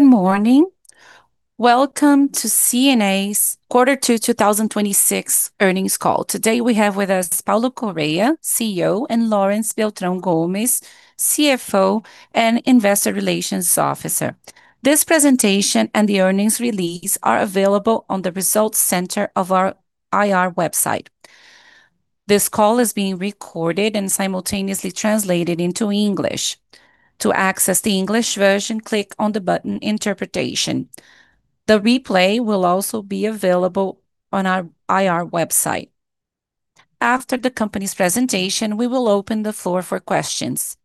Good morning. Welcome to C&A's quarter two 2026 earnings call. Today we have with us Paulo Correa, CEO, and Laurence Beltrão Gomes, CFO and Investor Relations Officer. This presentation and the earnings release are available on the results center of our IR website. This call is being recorded and simultaneously translated into English. To access the English version, click on the button Interpretation. The replay will also be available on our IR website. After the company's presentation, we will open the floor for questions.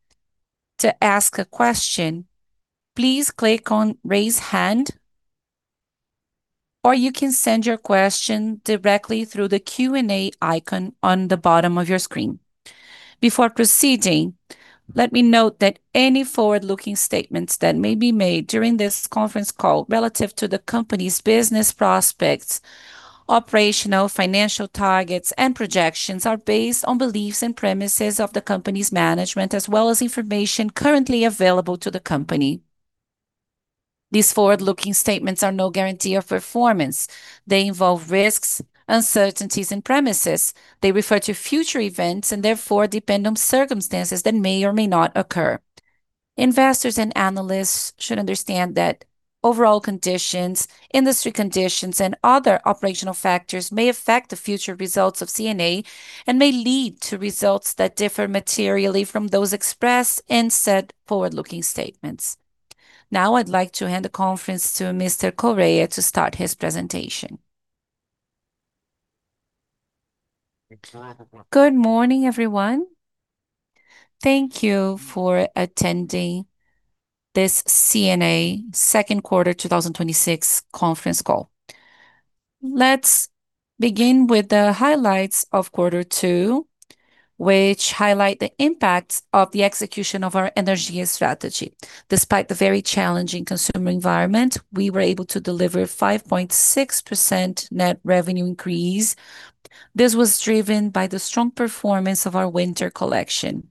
To ask a question, please click on Raise Hand, or you can send your question directly through the Q&A icon on the bottom of your screen. Before proceeding, let me note that any forward-looking statements that may be made during this conference call relative to the company's business prospects, operational, financial targets and projections are based on beliefs and premises of the company's management, as well as information currently available to the company. These forward-looking statements are no guarantee of performance. They involve risks, uncertainties and premises. They refer to future events and therefore depend on circumstances that may or may not occur. Investors and analysts should understand that overall conditions, industry conditions, and other operational factors may affect the future results of C&A and may lead to results that differ materially from those expressed in said forward-looking statements. Now I'd like to hand the conference to Mr. Correa to start his presentation. Good morning, everyone. Thank you for attending this C&A second quarter 2026 conference call. Let's begin with the highlights of quarter two, which highlight the impacts of the execution of our Energia strategy. Despite the very challenging consumer environment, we were able to deliver 5.6% net revenue increase. This was driven by the strong performance of our winter collection.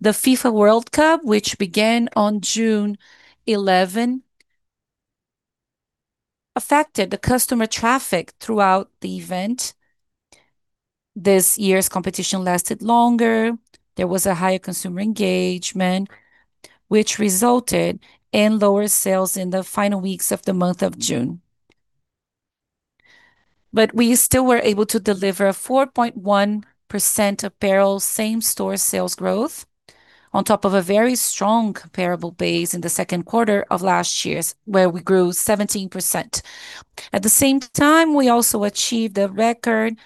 The FIFA World Cup, which began on June 11, affected the customer traffic throughout the event. This year's competition lasted longer. There was a higher consumer engagement, which resulted in lower sales in the final weeks of the month of June. We still were able to deliver 4.1% apparel same-store sales growth on top of a very strong comparable base in the second quarter of last year's, where we grew 17%. At the same time, we also achieved a record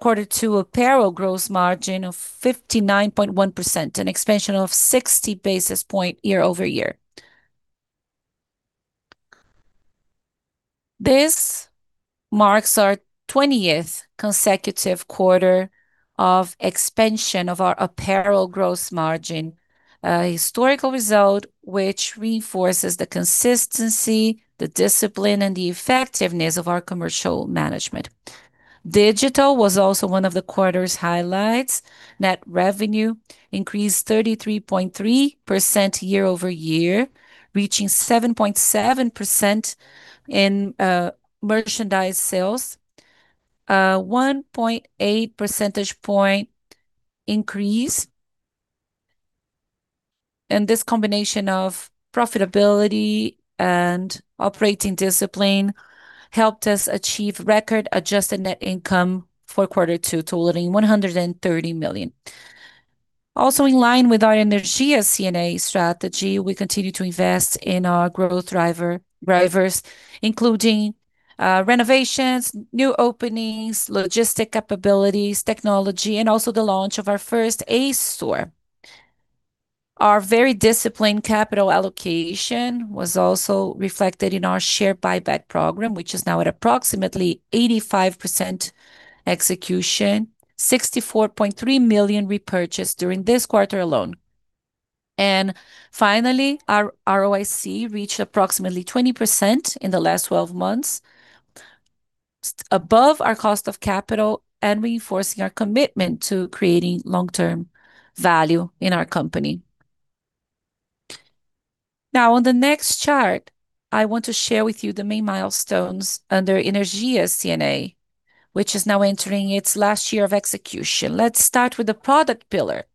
quarter two apparel gross margin of 59.1%, an expansion of 60 basis points year-over-year. This marks our 20th consecutive quarter of expansion of our apparel gross margin, a historical result which reinforces the consistency, the discipline, and the effectiveness of our commercial management. Digital was also one of the quarter's highlights. Net revenue increased 33.3% year-over-year, reaching 7.7% in merchandise sales, a 1.8 percentage point increase. This combination of profitability and operating discipline helped us achieve record-adjusted net income for quarter two totaling 130 million. Also in line with our Energia C&A strategy, we continue to invest in our growth drivers, including renovations, new openings, logistic capabilities, technology, and also the launch of our first ACE store. Our very disciplined capital allocation was also reflected in our share buyback program, which is now at approximately 85% execution, 64.3 million repurchased during this quarter alone. Finally, our ROIC reached approximately 20% in the last 12 months, above our cost of capital and reinforcing our commitment to creating long-term value in our company. On the next chart, I want to share with you the main milestones under Energia C&A, which is now entering its last year of execution. Let's start with the product pillar.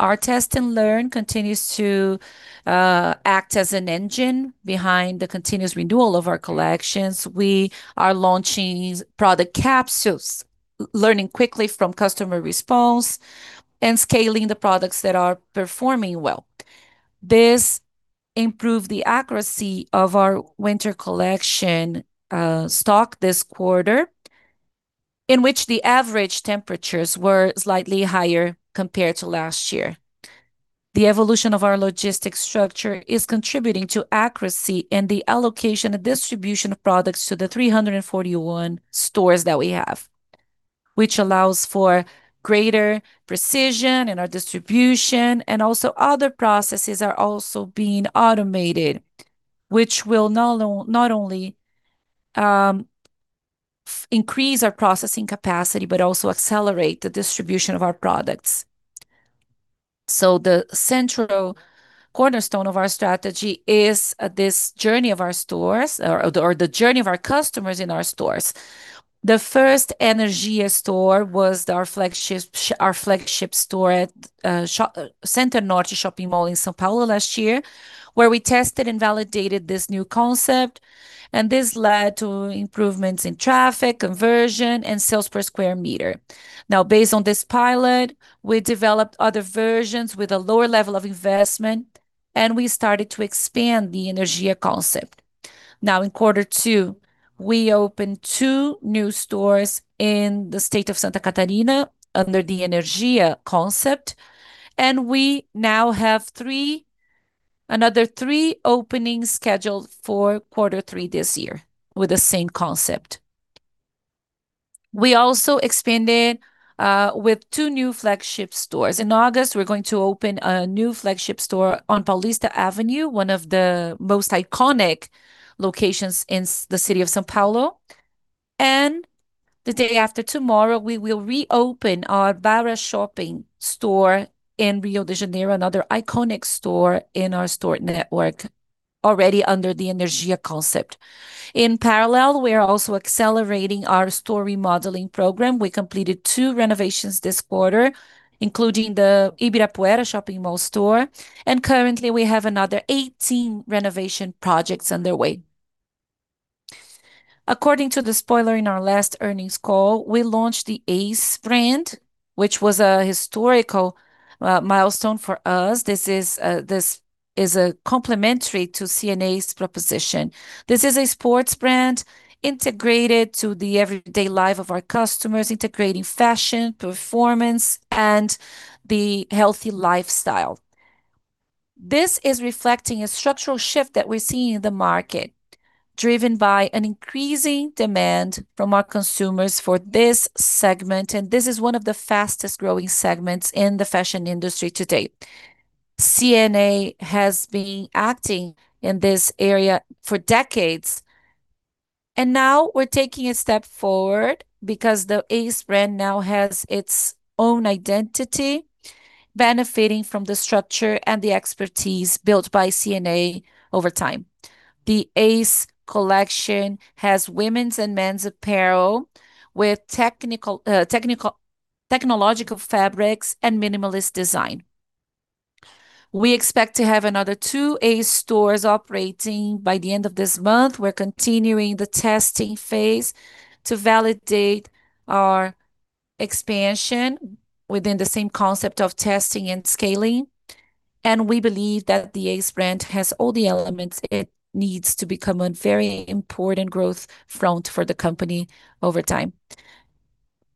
Our test and learn continues to act as an engine behind the continuous renewal of our collections. We are launching product capsules, learning quickly from customer response, and scaling the products that are performing well. This improved the accuracy of our winter collection stock this quarter, in which the average temperatures were slightly higher compared to last year. The evolution of our logistics structure is contributing to accuracy and the allocation and distribution of products to the 341 stores that we have, which allows for greater precision in our distribution, and also other processes are also being automated, which will not only increase our processing capacity, but also accelerate the distribution of our products. The central cornerstone of our strategy is this journey of our stores or the journey of our customers in our stores. The first Energia store was our flagship store at Center Norte Shopping Mall in São Paulo last year, where we tested and validated this new concept, and this led to improvements in traffic, conversion, and sales per square meter. Based on this pilot, we developed other versions with a lower level of investment, and we started to expand the Energia concept. In quarter two, we opened two new stores in the state of Santa Catarina under the Energia concept, and we now have another three openings scheduled for quarter three this year with the same concept. We also expanded with two new flagship stores. In August, we're going to open a new flagship store on Paulista Avenue, one of the most iconic locations in the city of São Paulo. The day after tomorrow, we will reopen our Barra Shopping store in Rio de Janeiro, another iconic store in our store network, already under the Energia concept. In parallel, we are also accelerating our store remodeling program. We completed two renovations this quarter, including the Ibirapuera Shopping Mall store, and currently, we have another 18 renovation projects underway. According to the spoiler in our last earnings call, we launched the Ace brand, which was a historical milestone for us. This is complementary to C&A's proposition. This is a sports brand integrated to the everyday life of our customers, integrating fashion, performance, and the healthy lifestyle. This is reflecting a structural shift that we're seeing in the market, driven by an increasing demand from our consumers for this segment, and this is one of the fastest-growing segments in the fashion industry to date. C&A has been acting in this area for decades, and now we're taking a step forward because the Ace brand now has its own identity, benefiting from the structure and the expertise built by C&A over time. The Ace collection has women's and men's apparel with technological fabrics and minimalist design. We expect to have another two Ace stores operating by the end of this month. We're continuing the testing phase to validate our expansion within the same concept of testing and scaling. We believe that the ACE brand has all the elements it needs to become a very important growth front for the company over time.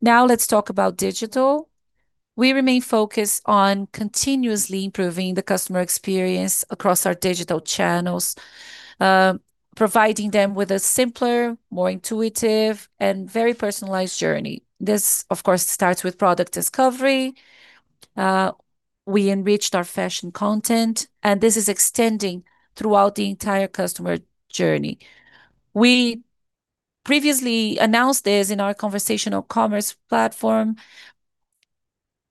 Let's talk about digital. We remain focused on continuously improving the customer experience across our digital channels, providing them with a simpler, more intuitive, and very personalized journey. This, of course, starts with product discovery. We enriched our fashion content, and this is extending throughout the entire customer journey. We previously announced this in our conversational commerce platform.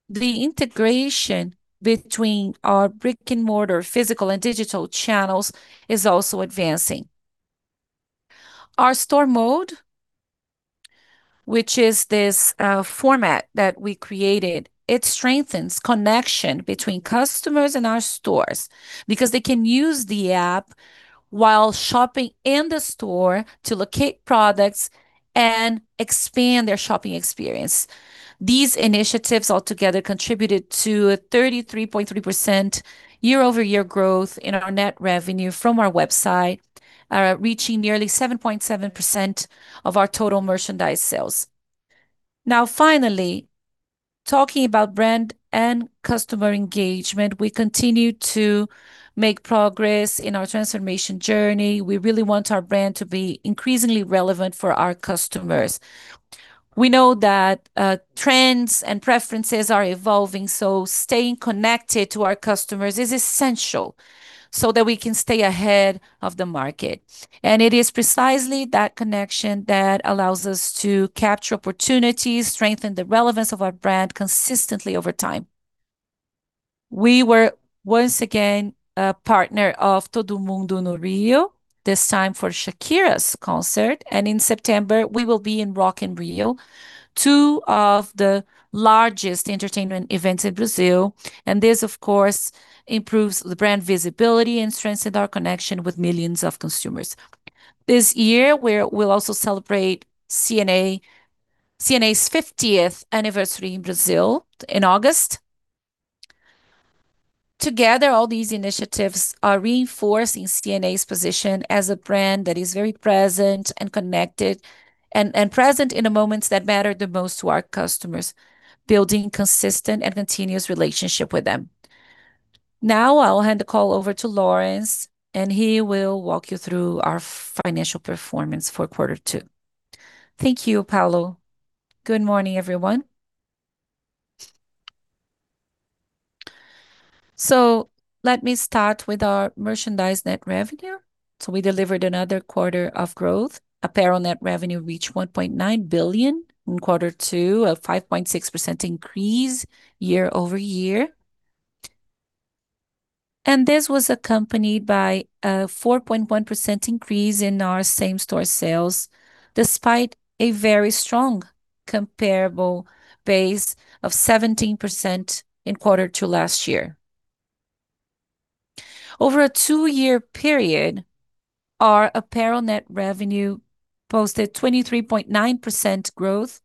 The integration between our brick-and-mortar physical and digital channels is also advancing. Our store mode, which is this format that we created, strengthens connection between customers and our stores because they can use the app while shopping in the store to locate products and expand their shopping experience. These initiatives altogether contributed to a 33.3% year-over-year growth in our net revenue from our website, reaching nearly 7.7% of our total merchandise sales. Finally, talking about brand and customer engagement, we continue to make progress in our transformation journey. We really want our brand to be increasingly relevant for our customers. We know that trends and preferences are evolving, so staying connected to our customers is essential so that we can stay ahead of the market. It is precisely that connection that allows us to capture opportunities, strengthen the relevance of our brand consistently over time. We were once again a partner of Todo Mundo no Rio, this time for Shakira's concert, and in September we will be in Rock in Rio, two of the largest entertainment events in Brazil. This, of course, improves the brand visibility and strengthens our connection with millions of consumers. This year, we'll also celebrate C&A's 50th anniversary in Brazil in August. Together, all these initiatives are reinforcing C&A's position as a brand that is very present and connected, and present in the moments that matter the most to our customers, building consistent and continuous relationship with them. I'll hand the call over to Laurence, and he will walk you through our financial performance for quarter two. Thank you, Paulo. Good morning, everyone. Let me start with our merchandise net revenue. We delivered another quarter of growth. Apparel net revenue reached 1.9 billion in quarter two, a 5.6% increase year-over-year. This was accompanied by a 4.1% increase in our same-store sales, despite a very strong comparable base of 17% in quarter two last year. Over a two-year period, our apparel net revenue posted 23.9% growth,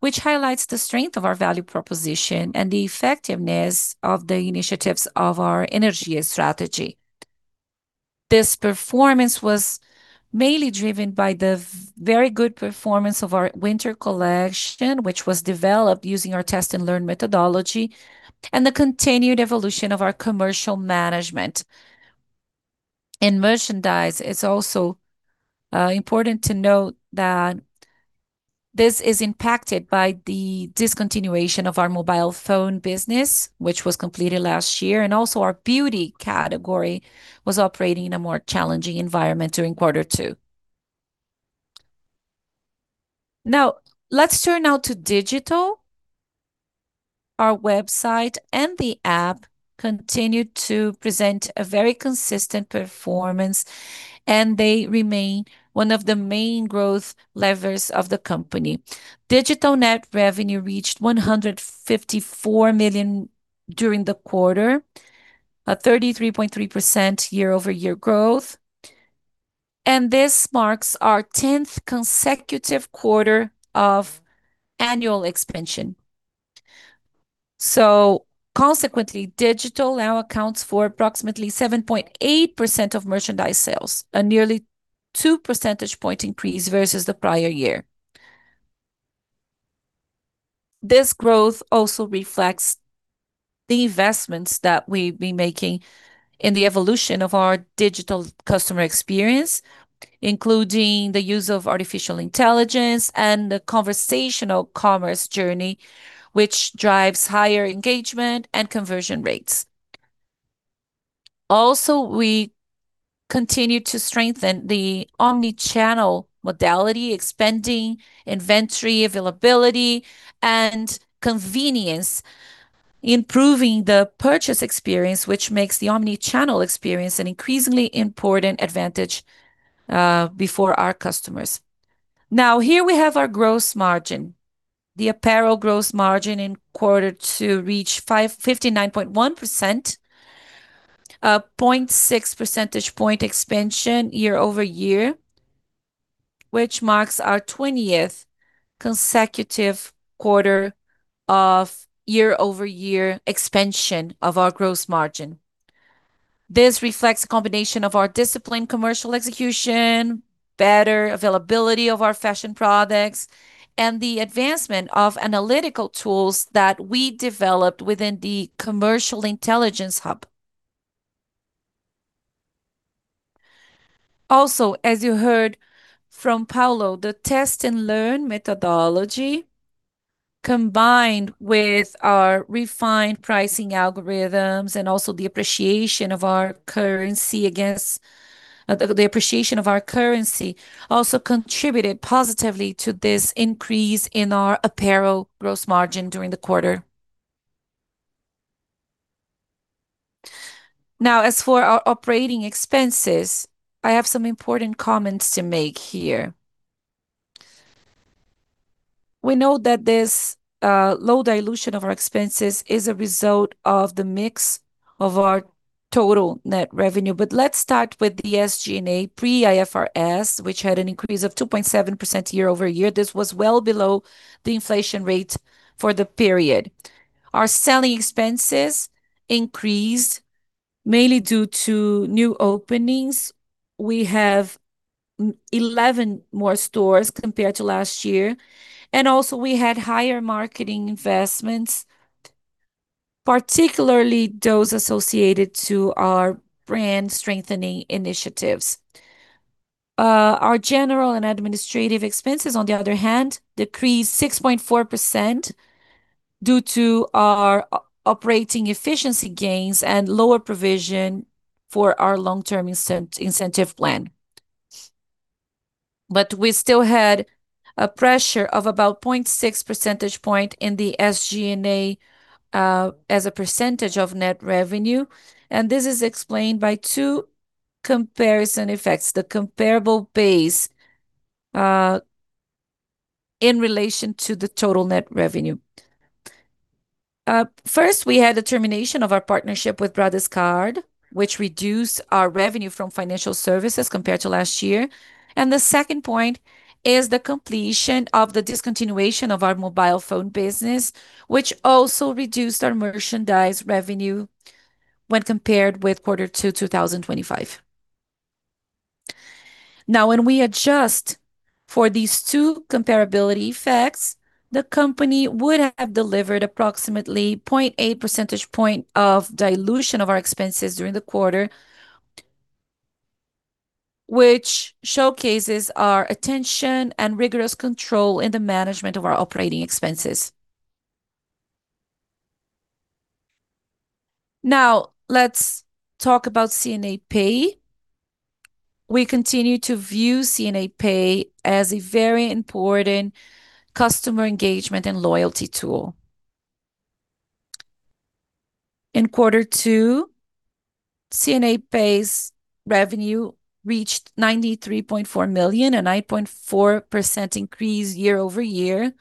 which highlights the strength of our value proposition and the effectiveness of the initiatives of our Energia strategy. This performance was mainly driven by the very good performance of our winter collection, which was developed using our test-and-learn methodology, and the continued evolution of our commercial management. In merchandise, it's also important to note that this is impacted by the discontinuation of our mobile phone business, which was completed last year, and also our beauty category was operating in a more challenging environment during quarter two. Let's turn now to digital. Our website and the app continued to present a very consistent performance, and they remain one of the main growth levers of the company. Digital net revenue reached 154 million during the quarter, a 33.3% year-over-year growth. This marks our 10th consecutive quarter of annual expansion. Consequently, digital now accounts for approximately 7.8% of merchandise sales, a nearly two percentage point increase versus the prior year. This growth also reflects the investments that we've been making in the evolution of our digital customer experience, including the use of artificial intelligence and the conversational commerce journey, which drives higher engagement and conversion rates. Also, we continue to strengthen the omnichannel modality, expanding inventory availability and convenience, improving the purchase experience, which makes the omnichannel experience an increasingly important advantage before our customers. Here we have our gross margin. The apparel gross margin in quarter two reached 59.1%, a 0.6 percentage point expansion year-over-year, which marks our 20th consecutive quarter of year-over-year expansion of our gross margin. This reflects a combination of our disciplined commercial execution, better availability of our fashion products, and the advancement of analytical tools that we developed within the commercial intelligence hub. Also, as you heard from Paulo, the test-and-learn methodology, combined with our refined pricing algorithms and also the appreciation of our currency, also contributed positively to this increase in our apparel gross margin during the quarter. As for our operating expenses, I have some important comments to make here. We know that this low dilution of our expenses is a result of the mix of our total net revenue. Let's start with the SG&A pre-IFRS, which had an increase of 2.7% year-over-year. This was well below the inflation rate for the period. Our selling expenses increased mainly due to new openings. We have 11 more stores compared to last year, and also we had higher marketing investments, particularly those associated to our brand-strengthening initiatives. Our general and administrative expenses, on the other hand, decreased 6.4% due to our operating efficiency gains and lower provision for our long-term incentive plan. We still had a pressure of about 0.6 percentage point in the SG&A as a percentage of net revenue, and this is explained by two comparison effects, the comparable base in relation to the total net revenue. First, we had the termination of our partnership with Bradescard, which reduced our revenue from financial services compared to last year. The second point is the completion of the discontinuation of our mobile phone business, which also reduced our merchandise revenue when compared with quarter two 2025. When we adjust for these two comparability effects, the company would have delivered approximately 0.8 percentage point of dilution of our expenses during the quarter, which showcases our attention and rigorous control in the management of our operating expenses. Let's talk about C&A Pay. We continue to view C&A Pay as a very important customer engagement and loyalty tool. In quarter two, C&A Pay's revenue reached 93.4 million, a 9.4% increase year-over-year.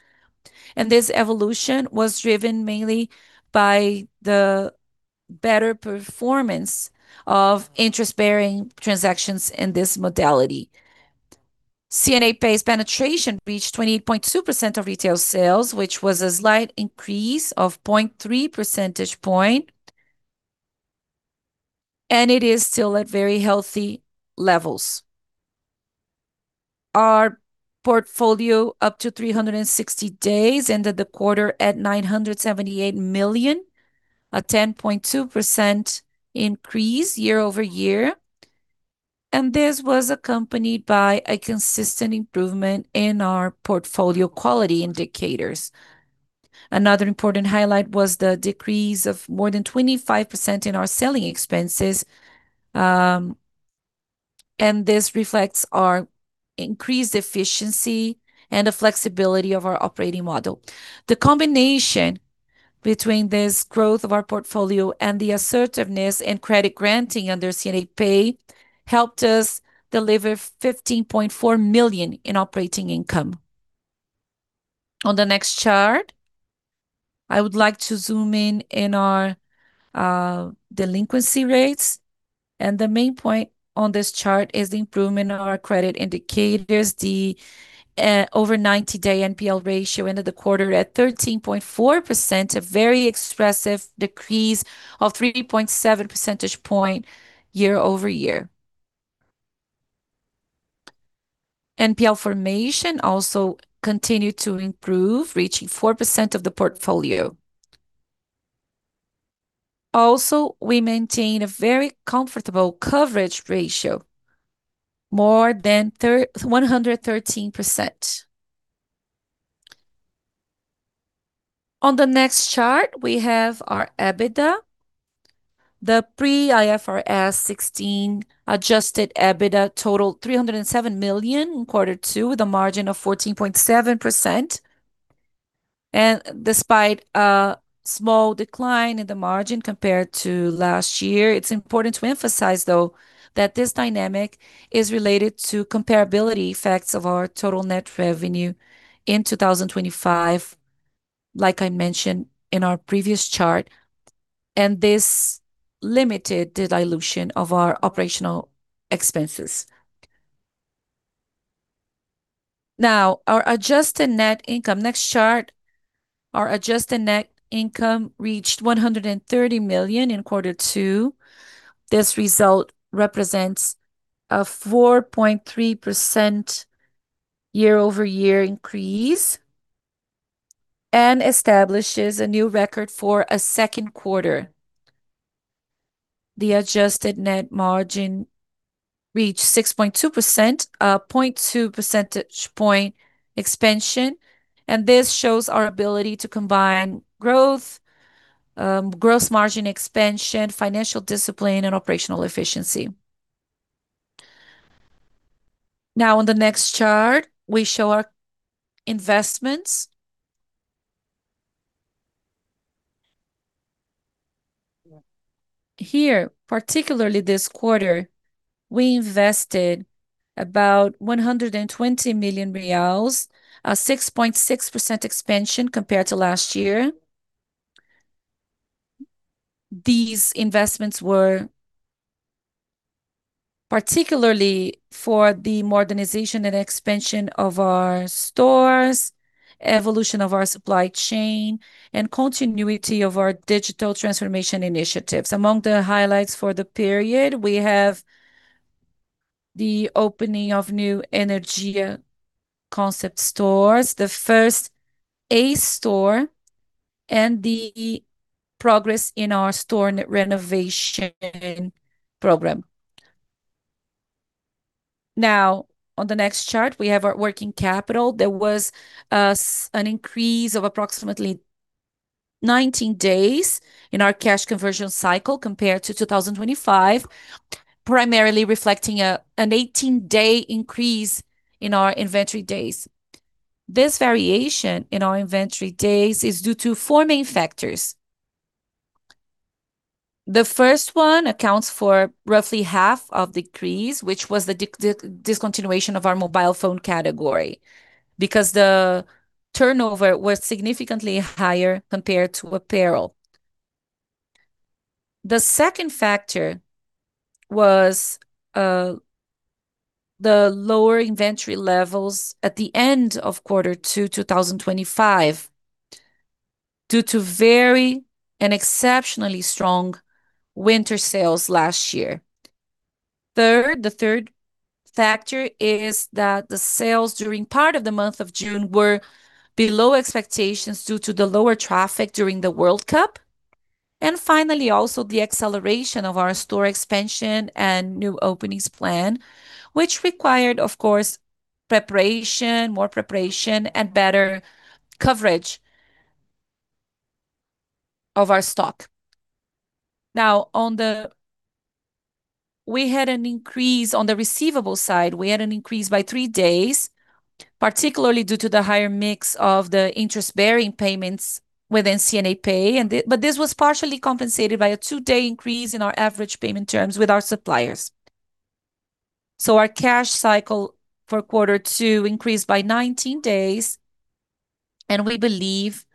This evolution was driven mainly by the better performance of interest-bearing transactions in this modality. C&A Pay's penetration reached 28.2% of retail sales, which was a slight increase of 0.3 percentage point, and it is still at very healthy levels. Our portfolio up to 360 days ended the quarter at 978 million, a 10.2% increase year-over-year, and this was accompanied by a consistent improvement in our portfolio quality indicators. Another important highlight was the decrease of more than 25% in our selling expenses. This reflects our increased efficiency and the flexibility of our operating model. The combination between this growth of our portfolio and the assertiveness in credit granting under C&A Pay helped us deliver 15.4 million in operating income. On the next chart, I would like to zoom in on our delinquency rates. The main point on this chart is the improvement in our credit indicators. The over 90-day NPL ratio ended the quarter at 13.4%, a very expressive decrease of 3.7 percentage point year-over-year. NPL formation also continued to improve, reaching 4% of the portfolio. We maintain a very comfortable coverage ratio, more than 113%. On the next chart, we have our EBITDA. The pre-IFRS 16 adjusted EBITDA totaled 307 million in quarter two, with a margin of 14.7%. Despite a small decline in the margin compared to last year, it's important to emphasize, though, that this dynamic is related to comparability effects of our total net revenue in 2025, like I mentioned in our previous chart. This limited the dilution of our operational expenses. Our adjusted net income. Next chart. Our adjusted net income reached 130 million in quarter two. This result represents a 4.3% year-over-year increase and establishes a new record for a second quarter. The adjusted net margin reached 6.2%, a 0.2 percentage point expansion. This shows our ability to combine growth, gross margin expansion, financial discipline, and operational efficiency. On the next chart, we show our investments. Here, particularly this quarter, we invested about 120 million reais, a 6.6% expansion compared to last year. These investments were particularly for the modernization and expansion of our stores, evolution of our supply chain, and continuity of our digital transformation initiatives. Among the highlights for the period, we have the opening of new Energia concept stores, the first ACE store, and the progress in our store renovation program. On the next chart, we have our working capital. There was an increase of approximately 19 days in our cash conversion cycle compared to 2025, primarily reflecting an 18-day increase in our inventory days. This variation in our inventory days is due to four main factors. The first one accounts for roughly half of the decrease, which was the discontinuation of our mobile phone category, because the turnover was significantly higher compared to apparel. The second factor was the lower inventory levels at the end of quarter two 2025, due to very and exceptionally strong winter sales last year. Third, the third factor is that the sales during part of the month of June were below expectations due to the lower traffic during the World Cup. Finally, also, the acceleration of our store expansion and new openings plan, which required, of course, preparation, more preparation, and better coverage of our stock. We had an increase on the receivable side. We had an increase by three days, particularly due to the higher mix of the interest-bearing payments within C&A Pay. This was partially compensated by a two-day increase in our average payment terms with our suppliers. Our cash cycle for quarter two increased by 19 days, and we believe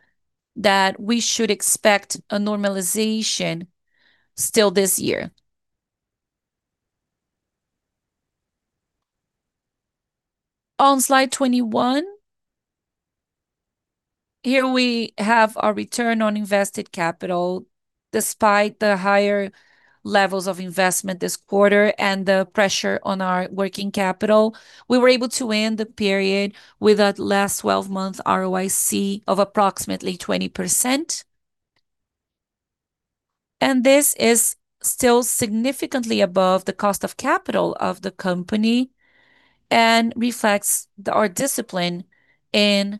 that we should expect a normalization still this year. On slide 21, here we have our return on invested capital. Despite the higher levels of investment this quarter and the pressure on our working capital, we were able to end the period with a last 12 months ROIC of approximately 20%. This is still significantly above the cost of capital of the company and reflects our discipline in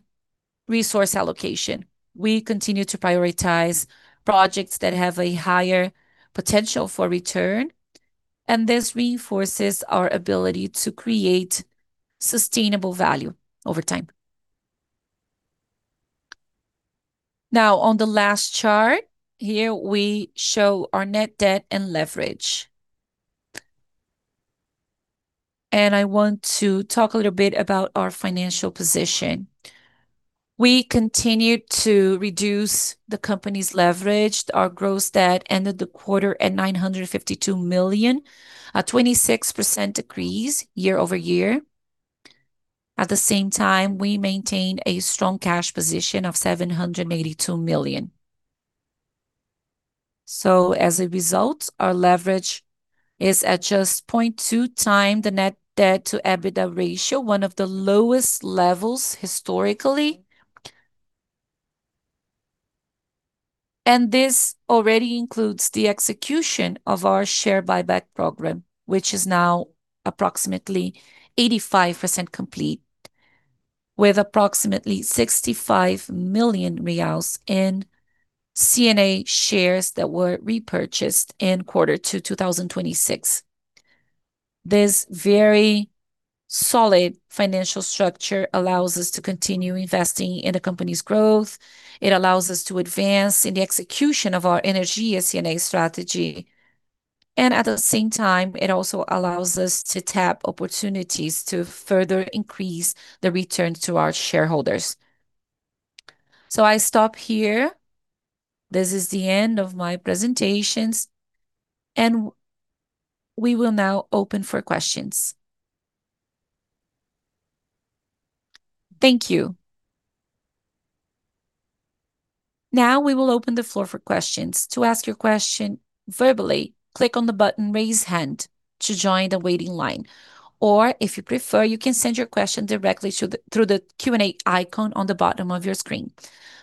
resource allocation. We continue to prioritize projects that have a higher potential for return, and this reinforces our ability to create sustainable value over time. On the last chart, here we show our net debt and leverage. I want to talk a little bit about our financial position. We continued to reduce the company's leverage. Our gross debt ended the quarter at 952 million, a 26% decrease year-over-year. At the same time, we maintained a strong cash position of 782 million. As a result, our leverage is at just 0.2 time the net debt to EBITDA ratio, one of the lowest levels historically. This already includes the execution of our share buyback program, which is now approximately 85% complete, with approximately BRL 65 million in C&A shares that were repurchased in quarter two 2026. This very solid financial structure allows us to continue investing in the company's growth. It allows us to advance in the execution of our Energia C&A strategy, and at the same time, it also allows us to tap opportunities to further increase the return to our shareholders. I stop here. This is the end of my presentations, and we will now open for questions. Thank you. We will open the floor for questions. To ask your question verbally, click on the button Raise Hand to join the waiting line, or if you prefer, you can send your question directly through the Q&A icon on the bottom of your screen.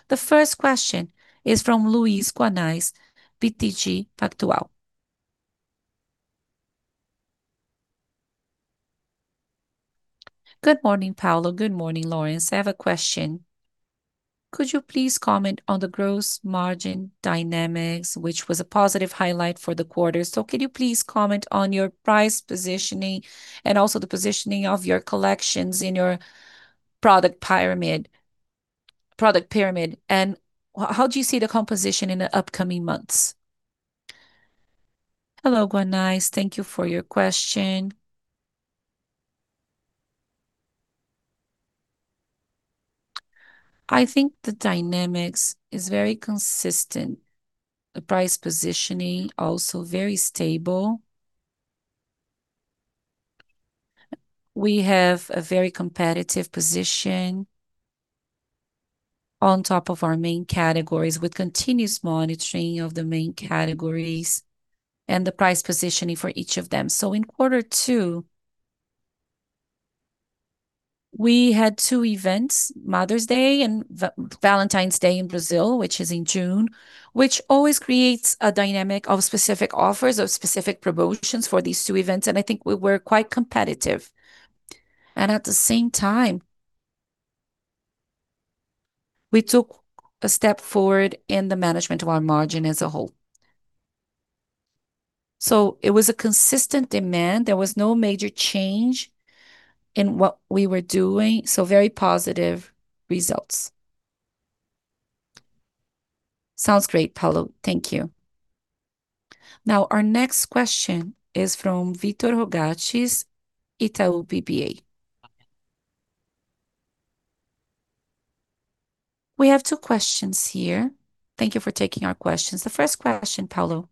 The first question is from Luiz Guanais, BTG Pactual. Good morning, Paulo. Good morning, Laurence. I have a question. Could you please comment on the gross margin dynamics, which was a positive highlight for the quarter? Can you please comment on your price positioning and also the positioning of your collections in your product pyramid? How do you see the composition in the upcoming months? Hello, Guanais. Thank you for your question. I think the dynamics is very consistent. The price positioning also very stable. We have a very competitive position on top of our main categories, with continuous monitoring of the main categories and the price positioning for each of them. In quarter two, we had two events, Mother's Day and Valentine's Day in Brazil, which is in June, which always creates a dynamic of specific offers, of specific promotions for these two events, and I think we were quite competitive. At the same time, we took a step forward in the management of our margin as a whole. It was a consistent demand. There was no major change in what we were doing, very positive results. Sounds great, Paulo. Thank you. Our next question is from Victor Rogatis, Itaú BBA. We have two questions here. Thank you for taking our questions. The first question, Paulo,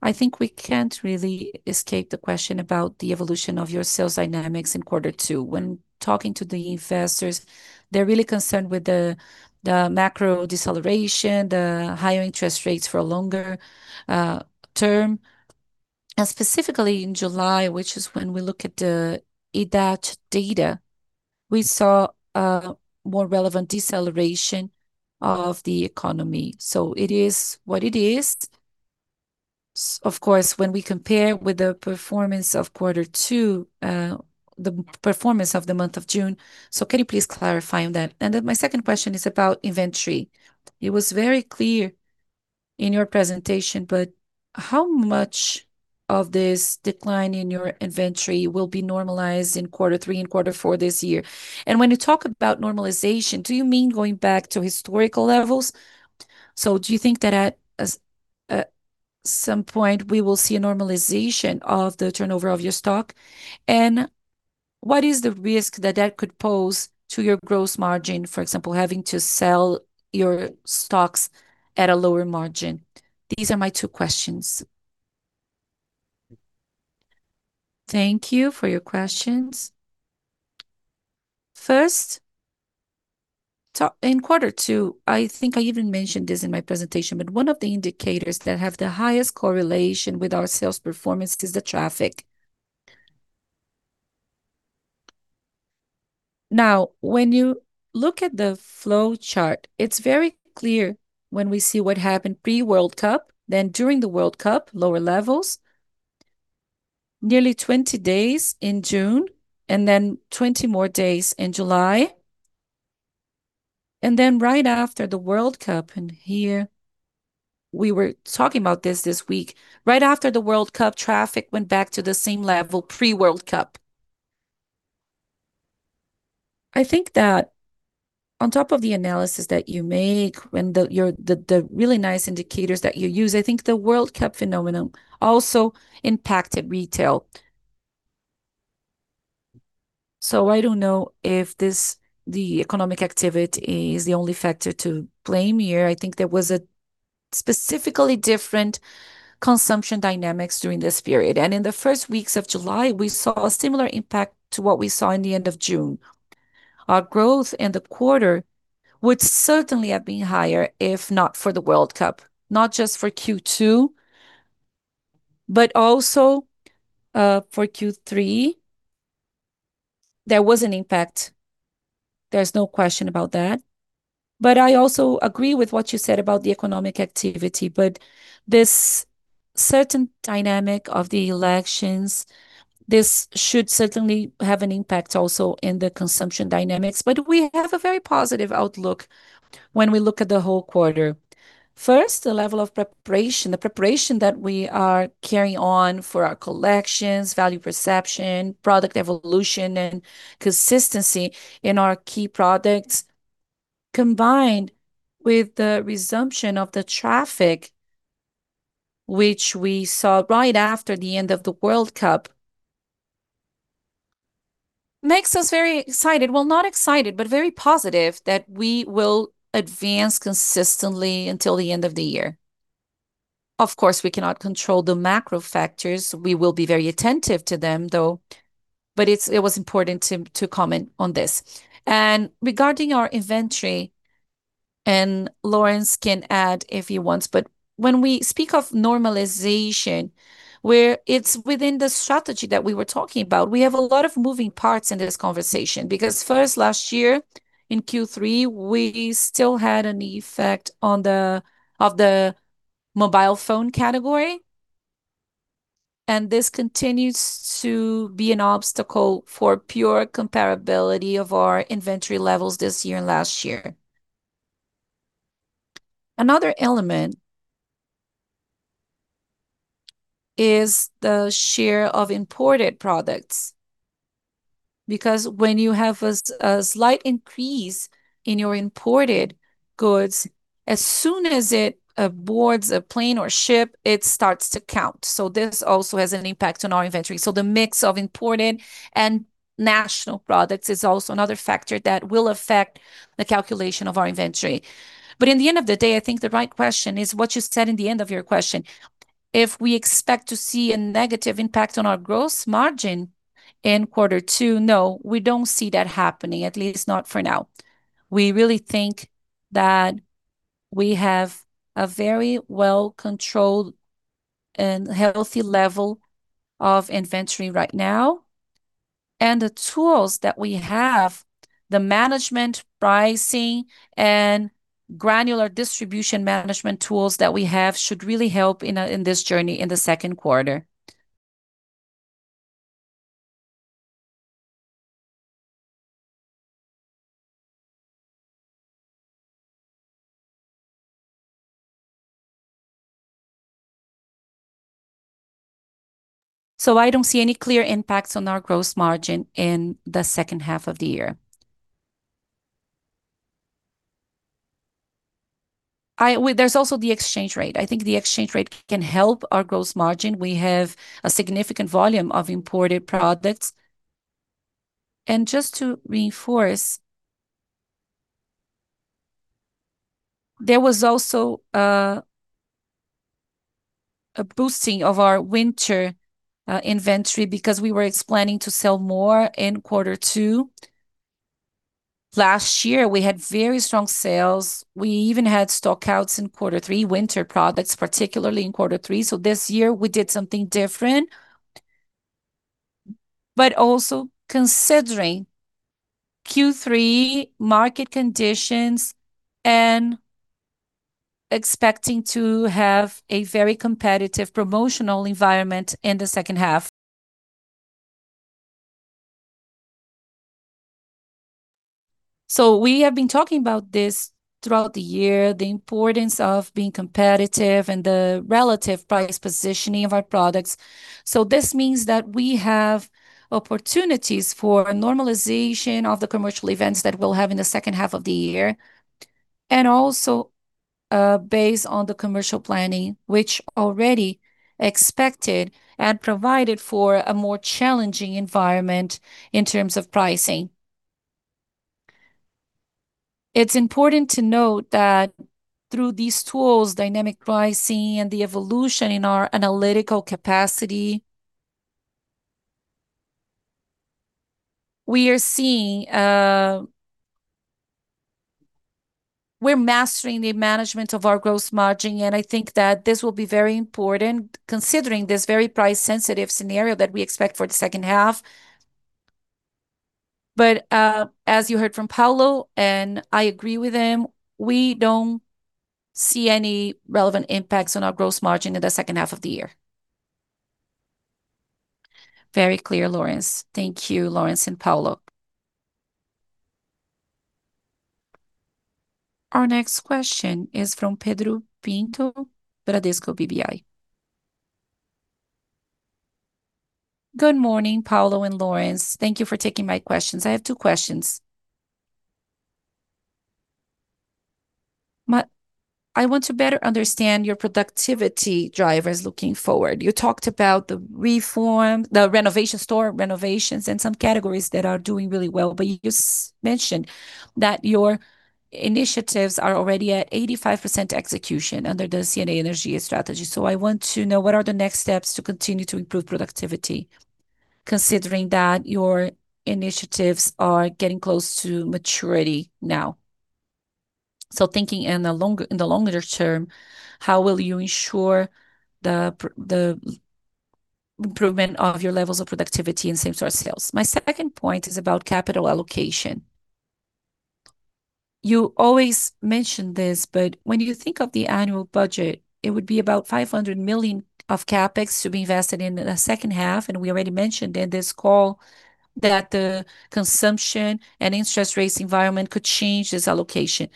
I think we can't really escape the question about the evolution of your sales dynamics in quarter two. When talking to the investors, they're really concerned with the macro deceleration, the higher interest rates for a longer term. Specifically in July, which is when we look at the IDAT data, we saw a more relevant deceleration of the economy. It is what it is. Of course, when we compare with the performance of quarter two, the performance of the month of June. Can you please clarify on that? My second question is about inventory. It was very clear in your presentation, but how much of this decline in your inventory will be normalized in quarter three and quarter four this year? When you talk about normalization, do you mean going back to historical levels? Do you think that at some point we will see a normalization of the turnover of your stock? What is the risk that that could pose to your gross margin, for example, having to sell your stocks at a lower margin? These are my two questions. Thank you for your questions. First, in quarter two, I think I even mentioned this in my presentation, but one of the indicators that have the highest correlation with our sales performance is the traffic. Now, when you look at the flow chart, it is very clear when we see what happened pre-World Cup, then during the World Cup, lower levels. Nearly 20 days in June, 20 more days in July. Right after the World Cup, here we were talking about this this week. Right after the World Cup, traffic went back to the same level pre-World Cup. I think that on top of the analysis that you make, the really nice indicators that you use, I think the World Cup phenomenon also impacted retail. I don't know if the economic activity is the only factor to blame here. I think there was a specifically different consumption dynamics during this period. In the first weeks of July, we saw a similar impact to what we saw in the end of June. Our growth in the quarter would certainly have been higher if not for the World Cup, not just for Q2, but also for Q3. There was an impact. There is no question about that. I also agree with what you said about the economic activity, this certain dynamic of the elections, this should certainly have an impact also in the consumption dynamics. We have a very positive outlook when we look at the whole quarter. First, the level of preparation, the preparation that we are carrying on for our collections, value perception, product evolution, and consistency in our key products, combined with the resumption of the traffic, which we saw right after the end of the World Cup, makes us very excited. Not excited, but very positive that we will advance consistently until the end of the year. Of course, we cannot control the macro factors. We will be very attentive to them, though, but it was important to comment on this. Regarding our inventory, Laurence can add if he wants, when we speak of normalization, where it is within the strategy that we were talking about, we have a lot of moving parts in this conversation. First, last year in Q3, we still had an effect of the mobile phone category, and this continues to be an obstacle for pure comparability of our inventory levels this year and last year. Another element is the share of imported products. When you have a slight increase in your imported goods, as soon as it boards a plane or ship, it starts to count. This also has an impact on our inventory. The mix of imported and national products is also another factor that will affect the calculation of our inventory. In the end of the day, I think the right question is what you said in the end of your question. If we expect to see a negative impact on our gross margin in quarter two, no, we don't see that happening, at least not for now. We really think that we have a very well-controlled and healthy level of inventory right now, the tools that we have, the management pricing and granular distribution management tools that we have should really help in this journey in the second quarter. I don't see any clear impacts on our gross margin in the second half of the year. There's also the exchange rate. I think the exchange rate can help our gross margin. We have a significant volume of imported products. Just to reinforce, there was also a boosting of our winter inventory because we were explaining to sell more in quarter two. Last year, we had very strong sales. We even had stock-outs in quarter three, winter products, particularly in quarter three. This year, we did something different Also considering Q3 market conditions and expecting to have a very competitive promotional environment in the second half. We have been talking about this throughout the year, the importance of being competitive and the relative price positioning of our products. This means that we have opportunities for normalization of the commercial events that we'll have in the second half of the year, and also based on the commercial planning, which already expected and provided for a more challenging environment in terms of pricing. It's important to note that through these tools, dynamic pricing and the evolution in our analytical capacity, we're mastering the management of our gross margin, I think that this will be very important considering this very price-sensitive scenario that we expect for the second half. As you heard from Paulo, and I agree with him, we don't see any relevant impacts on our gross margin in the second half of the year. Very clear, Laurence. Thank you, Laurence and Paulo. Our next question is from Pedro Pinto, Bradesco BBI. Good morning, Paulo and Laurence. Thank you for taking my questions. I have two questions. I want to better understand your productivity drivers looking forward. You talked about the store renovations and some categories that are doing really well, but you just mentioned that your initiatives are already at 85% execution under the C&A Energia strategy. I want to know what are the next steps to continue to improve productivity, considering that your initiatives are getting close to maturity now. Thinking in the longer term, how will you ensure the improvement of your levels of productivity in same-store sales? My second point is about capital allocation. You always mention this, but when you think of the annual budget, it would be about 500 million of CapEx to be invested in the second half, and we already mentioned in this call that the consumption and interest rates environment could change this allocation.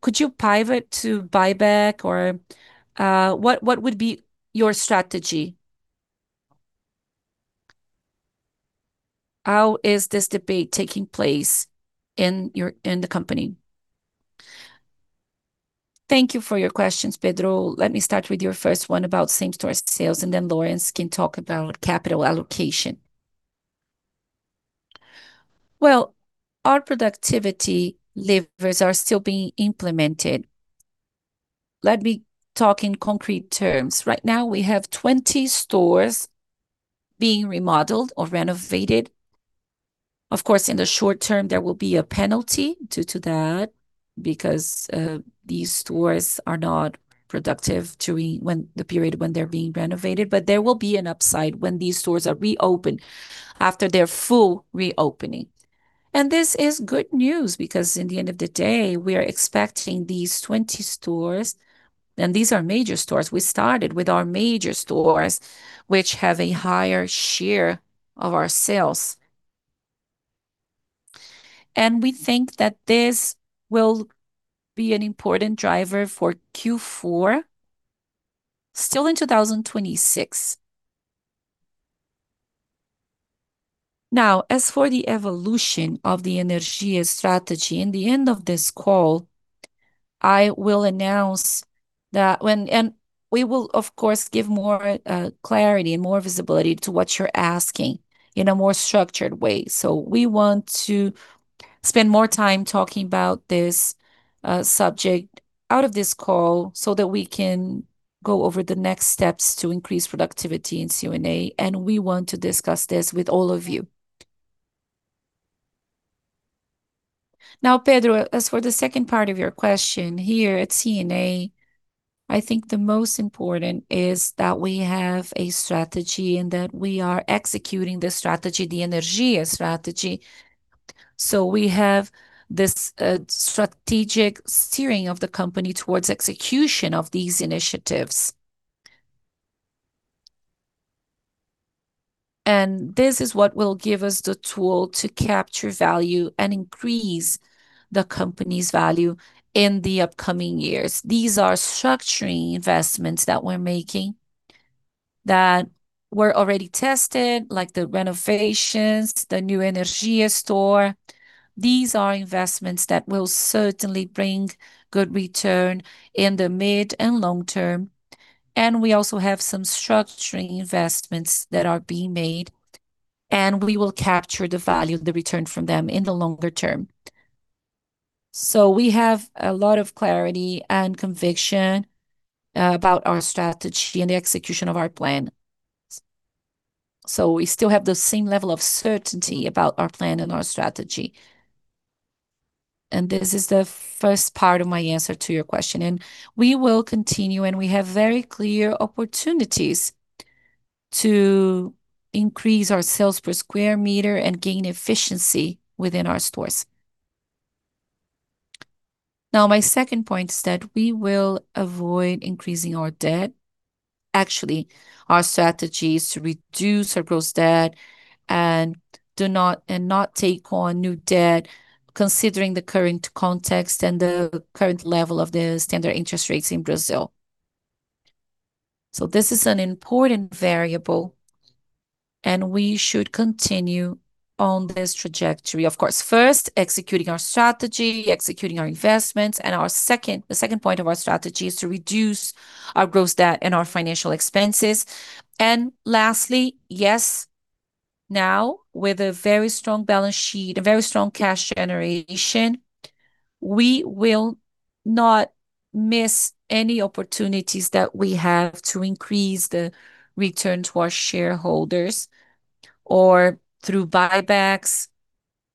Could you pivot to buyback? What would be your strategy? How is this debate taking place in the company? Thank you for your questions, Pedro. Let me start with your first one about same-store sales, and then Laurence can talk about capital allocation. Our productivity levers are still being implemented. Let me talk in concrete terms. Right now, we have 20 stores being remodeled or renovated. Of course, in the short term, there will be a penalty due to that, because these stores are not productive during the period when they're being renovated. There will be an upside when these stores are reopened after their full reopening. This is good news, because in the end of the day, we are expecting these 20 stores, and these are major stores. We started with our major stores, which have a higher share of our sales. We think that this will be an important driver for Q4, still in 2026. As for the evolution of the Energia strategy, in the end of this call, I will announce that. We will, of course, give more clarity and more visibility to what you're asking in a more structured way. We want to spend more time talking about this subject out of this call so that we can go over the next steps to increase productivity in C&A, and we want to discuss this with all of you. Pedro, as for the second part of your question, here at C&A, I think the most important is that we have a strategy and that we are executing the strategy, the Energia strategy. We have this strategic steering of the company towards execution of these initiatives. This is what will give us the tool to capture value and increase the company's value in the upcoming years. These are structuring investments that we're making that were already tested, like the renovations, the new Energia store. These are investments that will certainly bring good return in the mid and long term. We also have some structuring investments that are being made, and we will capture the value of the return from them in the longer term. We have a lot of clarity and conviction about our strategy and the execution of our plan. We still have the same level of certainty about our plan and our strategy. This is the first part of my answer to your question. We will continue, and we have very clear opportunities to increase our sales per square meter and gain efficiency within our stores. My second point is that we will avoid increasing our debt. Actually, our strategy is to reduce our gross debt and not take on new debt, considering the current context and the current level of the standard interest rates in Brazil. This is an important variable, and we should continue on this trajectory. Of course, first, executing our strategy, executing our investments, and the second point of our strategy is to reduce our gross debt and our financial expenses. Lastly, yes, now, with a very strong balance sheet, a very strong cash generation, we will not miss any opportunities that we have to increase the return to our shareholders, or through buybacks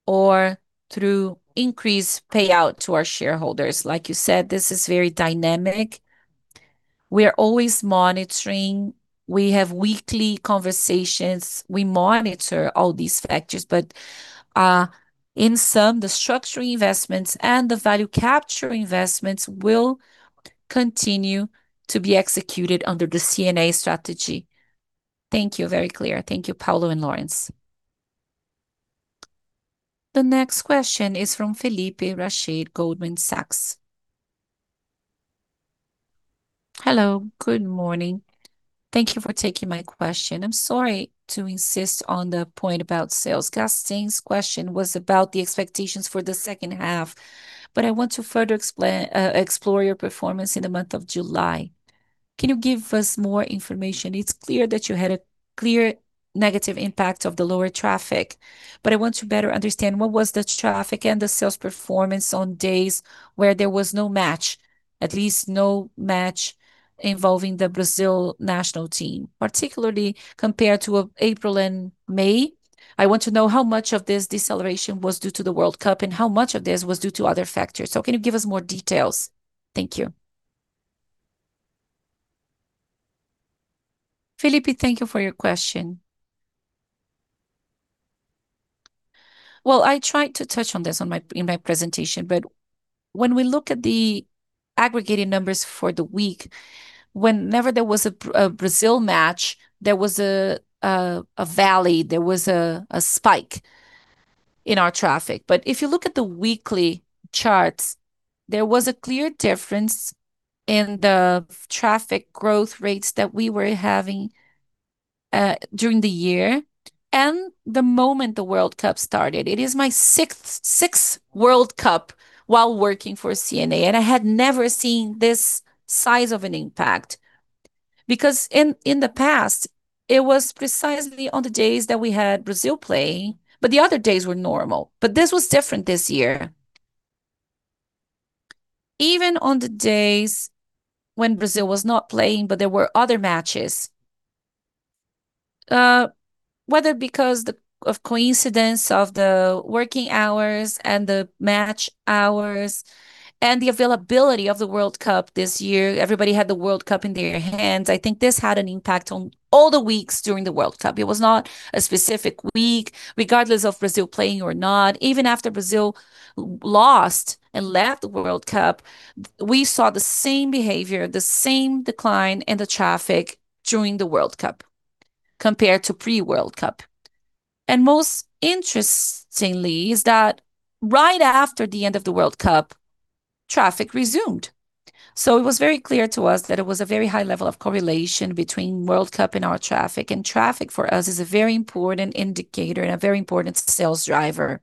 or through increased payout to our shareholders. Like you said, this is very dynamic. We are always monitoring. We have weekly conversations. We monitor all these factors. In sum, the structural investments and the value capture investments will continue to be executed under the C&A strategy. Thank you. Very clear. Thank you, Paulo and Laurence. The next question is from Felipe Rached, Goldman Sachs. Hello, good morning. Thank you for taking my question. I'm sorry to insist on the point about sales. [Gustin's] question was about the expectations for the second half, but I want to further explore your performance in the month of July. Can you give us more information? It's clear that you had a clear negative impact of the lower traffic. I want to better understand what was the traffic and the sales performance on days where there was no match, at least no match involving the Brazil national team, particularly compared to April and May. I want to know how much of this deceleration was due to the World Cup and how much of this was due to other factors. Can you give us more details? Thank you. Felipe, thank you for your question. Well, I tried to touch on this in my presentation, but when we look at the aggregated numbers for the week, whenever there was a Brazil match, there was a valley, there was a spike in our traffic. If you look at the weekly charts, there was a clear difference in the traffic growth rates that we were having during the year and the moment the World Cup started. It is my sixth World Cup while working for C&A, and I had never seen this size of an impact. Because in the past, it was precisely on the days that we had Brazil play, but the other days were normal. This was different this year. Even on the days when Brazil was not playing, but there were other matches, whether because of coincidence of the working hours and the match hours and the availability of the World Cup this year, everybody had the World Cup in their hands. I think this had an impact on all the weeks during the World Cup. It was not a specific week, regardless of Brazil playing or not. Even after Brazil lost and left the World Cup, we saw the same behavior, the same decline in the traffic during the World Cup compared to pre-World Cup. Most interestingly is that right after the end of the World Cup, traffic resumed. It was very clear to us that it was a very high level of correlation between World Cup and our traffic. Traffic for us is a very important indicator and a very important sales driver.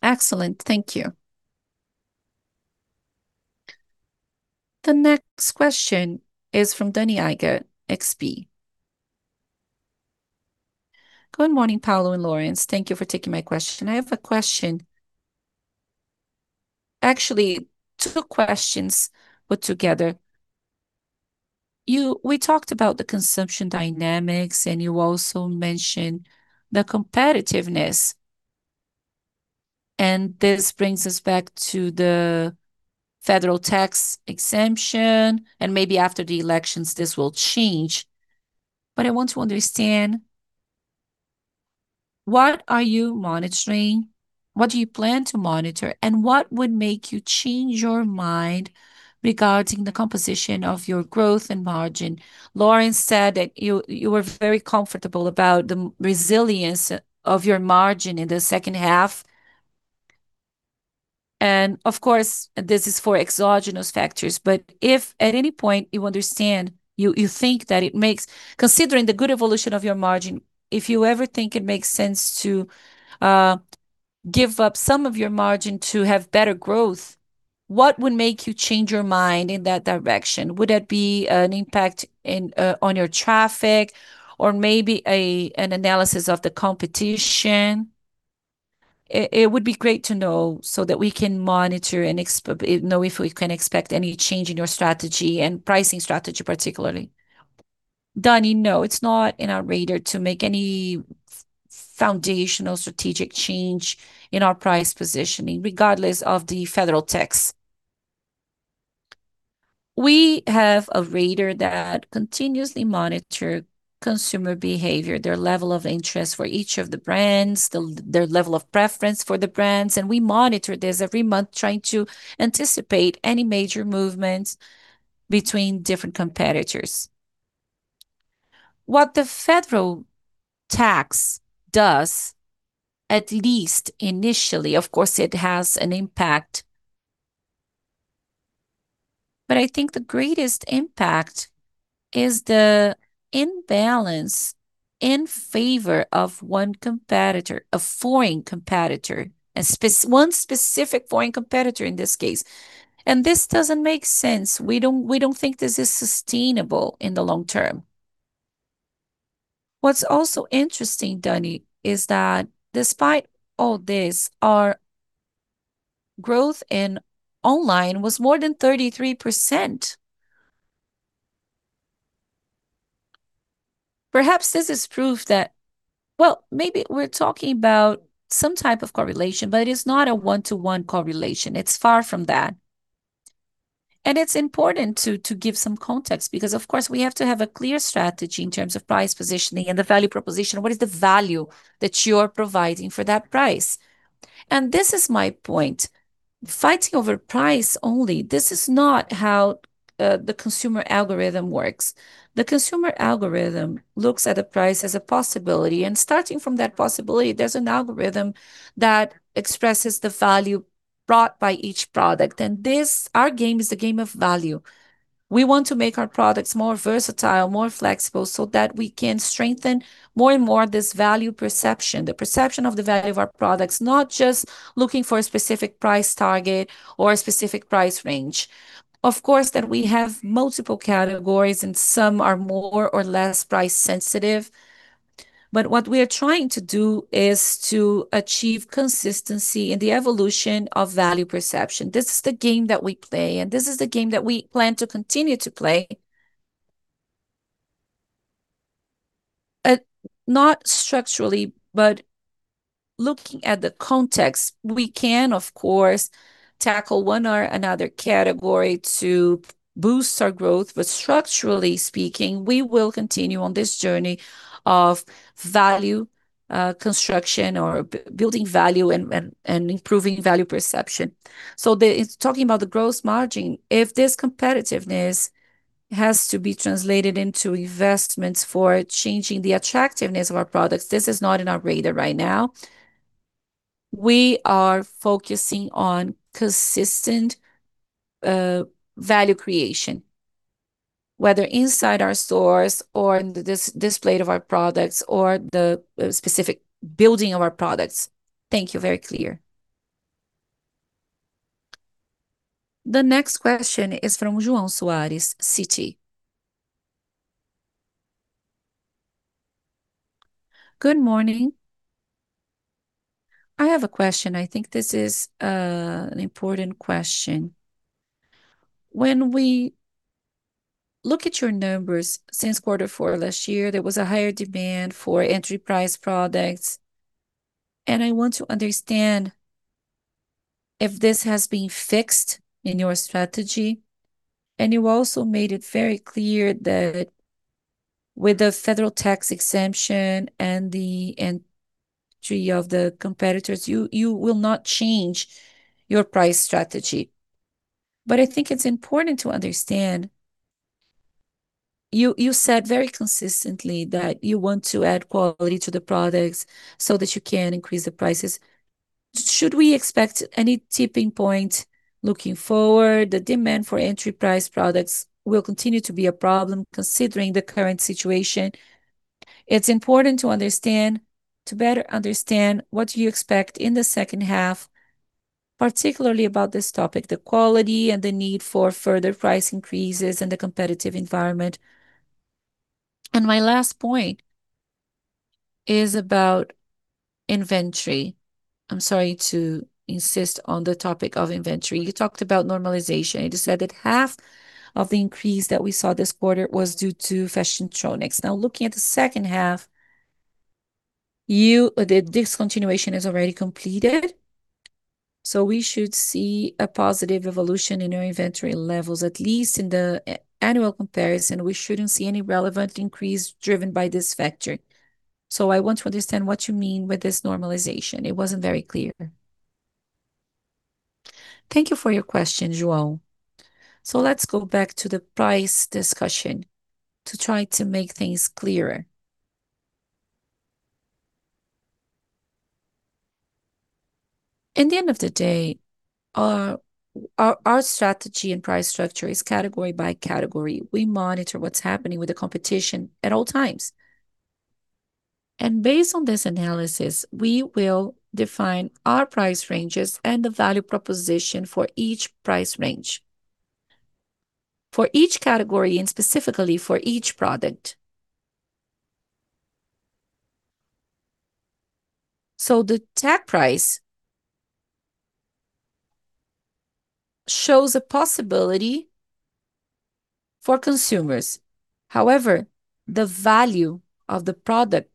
Excellent, thank you. The next question is from Danni Eiger, XP. Good morning, Paulo and Laurence. Thank you for taking my question. I have a question. Actually, two questions put together. We talked about the consumption dynamics, and you also mentioned the competitiveness. This brings us back to the federal tax exemption, and maybe after the elections, this will change. I want to understand what are you monitoring? What do you plan to monitor? What would make you change your mind regarding the composition of your growth and margin? Laurence said that you were very comfortable about the resilience of your margin in the second half. Of course, this is for exogenous factors, but if at any point you think that considering the good evolution of your margin, if you ever think it makes sense to give up some of your margin to have better growth, what would make you change your mind in that direction? Would it be an impact on your traffic or maybe an analysis of the competition? It would be great to know so that we can monitor and know if we can expect any change in your strategy and pricing strategy, particularly. Dani, it's not in our radar to make any foundational strategic change in our price positioning, regardless of the federal tax. We have a radar that continuously monitor consumer behavior, their level of interest for each of the brands, their level of preference for the brands, we monitor this every month, trying to anticipate any major movements between different competitors. What the federal tax does, at least initially, of course, it has an impact. I think the greatest impact is the imbalance in favor of one competitor, a foreign competitor, one specific foreign competitor in this case. This doesn't make sense. We don't think this is sustainable in the long term. What's also interesting, Dani, is that despite all this, our growth in online was more than 33%. Perhaps this is proof that maybe we're talking about some type of correlation, it is not a one-to-one correlation. It's far from that. It's important to give some context because, of course, we have to have a clear strategy in terms of price positioning and the value proposition. What is the value that you're providing for that price? This is my point. Fighting over price only, this is not how the consumer algorithm works. The consumer algorithm looks at the price as a possibility, starting from that possibility, there's an algorithm that expresses the value brought by each product. Our game is the game of value. We want to make our products more versatile, more flexible, that we can strengthen more and more this value perception, the perception of the value of our products, not just looking for a specific price target or a specific price range. Of course, that we have multiple categories and some are more or less price sensitive. What we are trying to do is to achieve consistency in the evolution of value perception. This is the game that we play, this is the game that we plan to continue to play. Not structurally, looking at the context, we can, of course, tackle one or another category to boost our growth. Structurally speaking, we will continue on this journey of value construction or building value and improving value perception. Talking about the gross margin, if this competitiveness has to be translated into investments for changing the attractiveness of our products, this is not in our radar right now. We are focusing on consistent value creation, whether inside our stores or in the display of our products or the specific building of our products. Thank you. Very clear. The next question is from João Soares, Citi. Good morning. I have a question. I think this is an important question. When we look at your numbers since Q4 last year, there was a higher demand for entry price products. I want to understand if this has been fixed in your strategy. You also made it very clear that with the federal tax exemption and the entry of the competitors, you will not change your price strategy. I think it is important to understand. You said very consistently that you want to add quality to the products so that you can increase the prices. Should we expect any tipping point looking forward? The demand for entry price products will continue to be a problem considering the current situation. It is important to better understand what you expect in the second half, particularly about this topic, the quality and the need for further price increases and the competitive environment. My last point is about inventory. I am sorry to insist on the topic of inventory. You talked about normalization. You said that half of the increase that we saw this quarter was due to Fashiontronics. Looking at the second half, this continuation is already completed, so we should see a positive evolution in our inventory levels, at least in the annual comparison. We shouldn't see any relevant increase driven by this factor. I want to understand what you mean with this normalization. It wasn't very clear. Thank you for your question, João. Let's go back to the price discussion to try to make things clearer. At the end of the day, our strategy and price structure is category by category. We monitor what is happening with the competition at all times. Based on this analysis, we will define our price ranges and the value proposition for each price range. For each category and specifically for each product. The tag price shows a possibility for consumers. However, the value of the product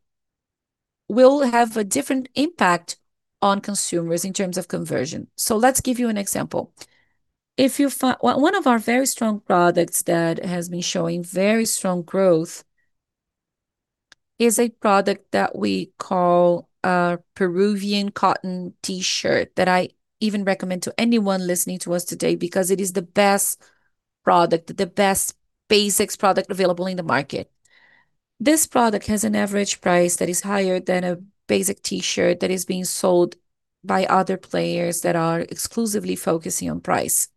will have a different impact on consumers in terms of conversion. Let's give you an example. One of our very strong products that has been showing very strong growth is a product that we call a Peruvian cotton T-shirt, that I even recommend to anyone listening to us today because it is the best product, the best basics product available in the market. This product has an average price that is higher than a basic T-shirt that is being sold by other players that are exclusively focusing on price.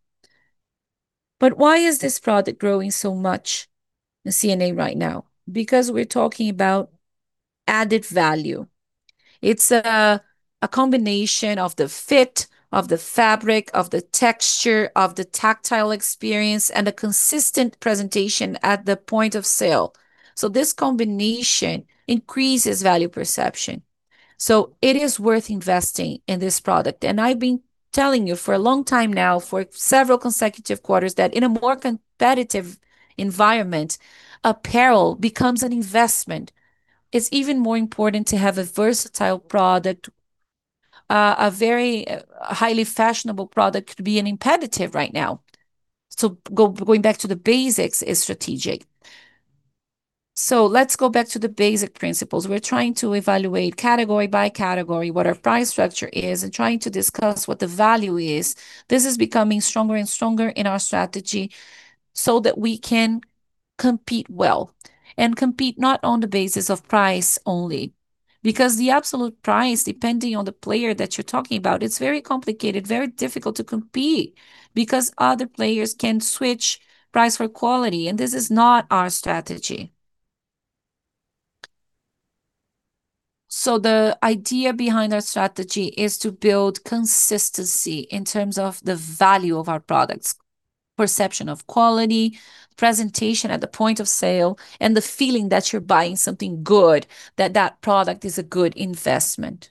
Why is this product growing so much in C&A right now? Because we are talking about added value. It is a combination of the fit, of the fabric, of the texture, of the tactile experience, and a consistent presentation at the point of sale. This combination increases value perception. It is worth investing in this product. I've been telling you for a long time now, for several consecutive quarters, that in a more competitive environment, apparel becomes an investment. It's even more important to have a versatile product. A very highly fashionable product could be an imperative right now. Going back to the basics is strategic. Let's go back to the basic principles. We're trying to evaluate category by category what our price structure is and trying to discuss what the value is. This is becoming stronger and stronger in our strategy so that we can compete well, and compete not on the basis of price only. Because the absolute price, depending on the player that you're talking about, it's very complicated, very difficult to compete because other players can switch price for quality, and this is not our strategy. The idea behind our strategy is to build consistency in terms of the value of our products, perception of quality, presentation at the point of sale, and the feeling that you're buying something good, that that product is a good investment.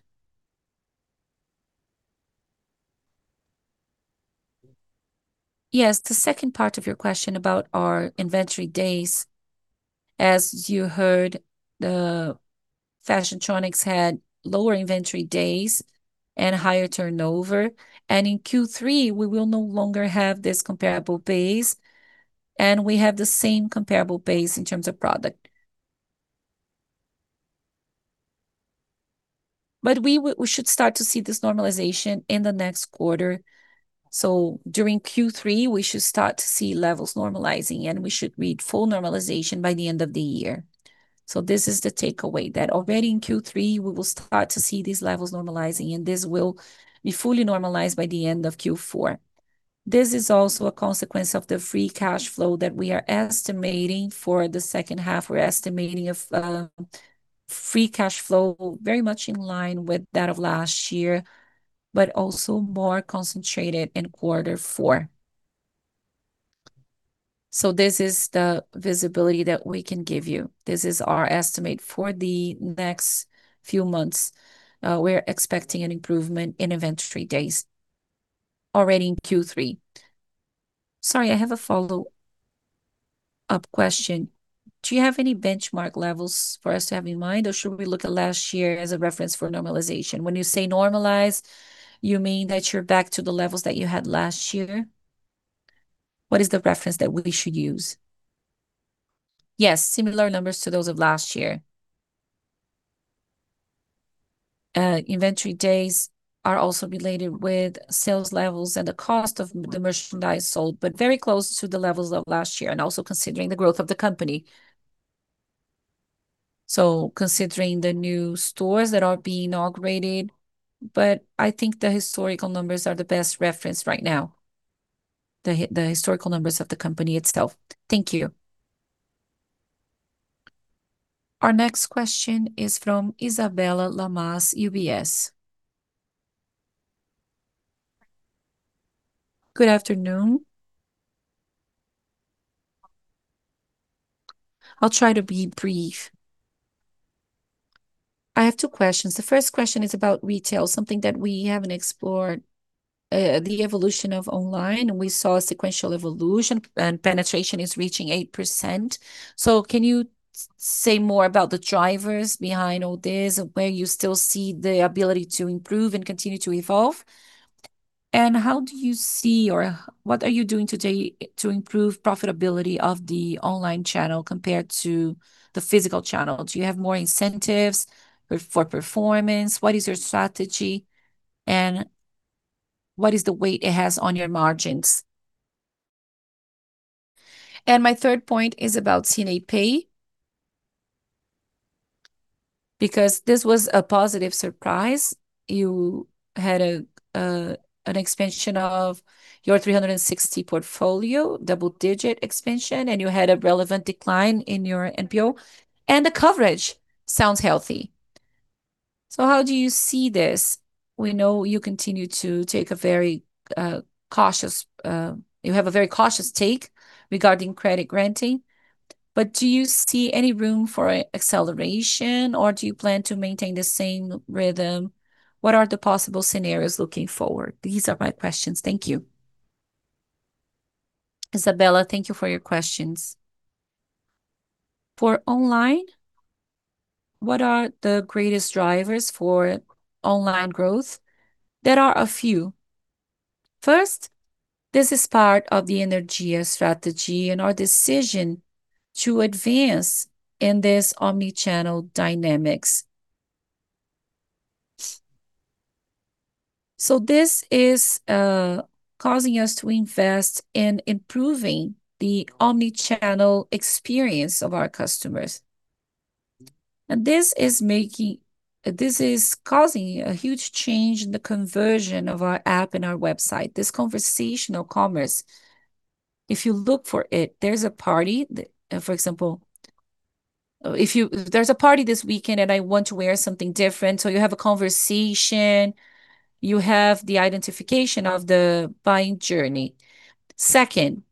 Yes, the second part of your question about our inventory days. As you heard, the fashiontronics had lower inventory days and higher turnover. In Q3, we will no longer have this comparable base, and we have the same comparable base in terms of product. We should start to see this normalization in the next quarter. During Q3, we should start to see levels normalizing, and we should reach full normalization by the end of the year. This is the takeaway, that already in Q3, we will start to see these levels normalizing, and this will be fully normalized by the end of Q4. This is also a consequence of the free cash flow that we are estimating for the second half. We're estimating a free cash flow very much in line with that of last year, but also more concentrated in quarter four. This is the visibility that we can give you. This is our estimate for the next few months. We're expecting an improvement in inventory days already in Q3. Sorry, I have a follow-up question. Do you have any benchmark levels for us to have in mind, or should we look at last year as a reference for normalization? When you say normalized, you mean that you're back to the levels that you had last year? What is the reference that we should use? Yes, similar numbers to those of last year. Inventory days are also related with sales levels and the cost of the merchandise sold, but very close to the levels of last year, and also considering the growth of the company. Considering the new stores that are being inaugurated, but I think the historical numbers are the best reference right now. The historical numbers of the company itself. Thank you. Our next question is from Isabella Lamas, UBS. Good afternoon. I'll try to be brief. I have two questions. The first question is about retail, something that we haven't explored, the evolution of online. We saw a sequential evolution and penetration is reaching 8%. Can you say more about the drivers behind all this and where you still see the ability to improve and continue to evolve? How do you see, or what are you doing today to improve profitability of the online channel compared to the physical channel? Do you have more incentives for performance? What is your strategy, and what is the weight it has on your margins? My third point is about C&A Pay, because this was a positive surprise. You had an expansion of your 360 portfolio, double-digit expansion, and you had a relevant decline in your NPL, and the coverage sounds healthy. How do you see this? We know you have a very cautious take regarding credit granting. Do you see any room for acceleration, or do you plan to maintain the same rhythm? What are the possible scenarios looking forward? These are my questions. Thank you. Isabella, thank you for your questions. For online, what are the greatest drivers for online growth? There are a few. First, this is part of the Energia strategy and our decision to advance in this omni-channel dynamics. This is causing us to invest in improving the omni-channel experience of our customers. This is causing a huge change in the conversion of our app and our website, this conversational commerce. If you look for it, for example, there's a party this weekend and I want to wear something different. You have a conversation, you have the identification of the buying journey. Second,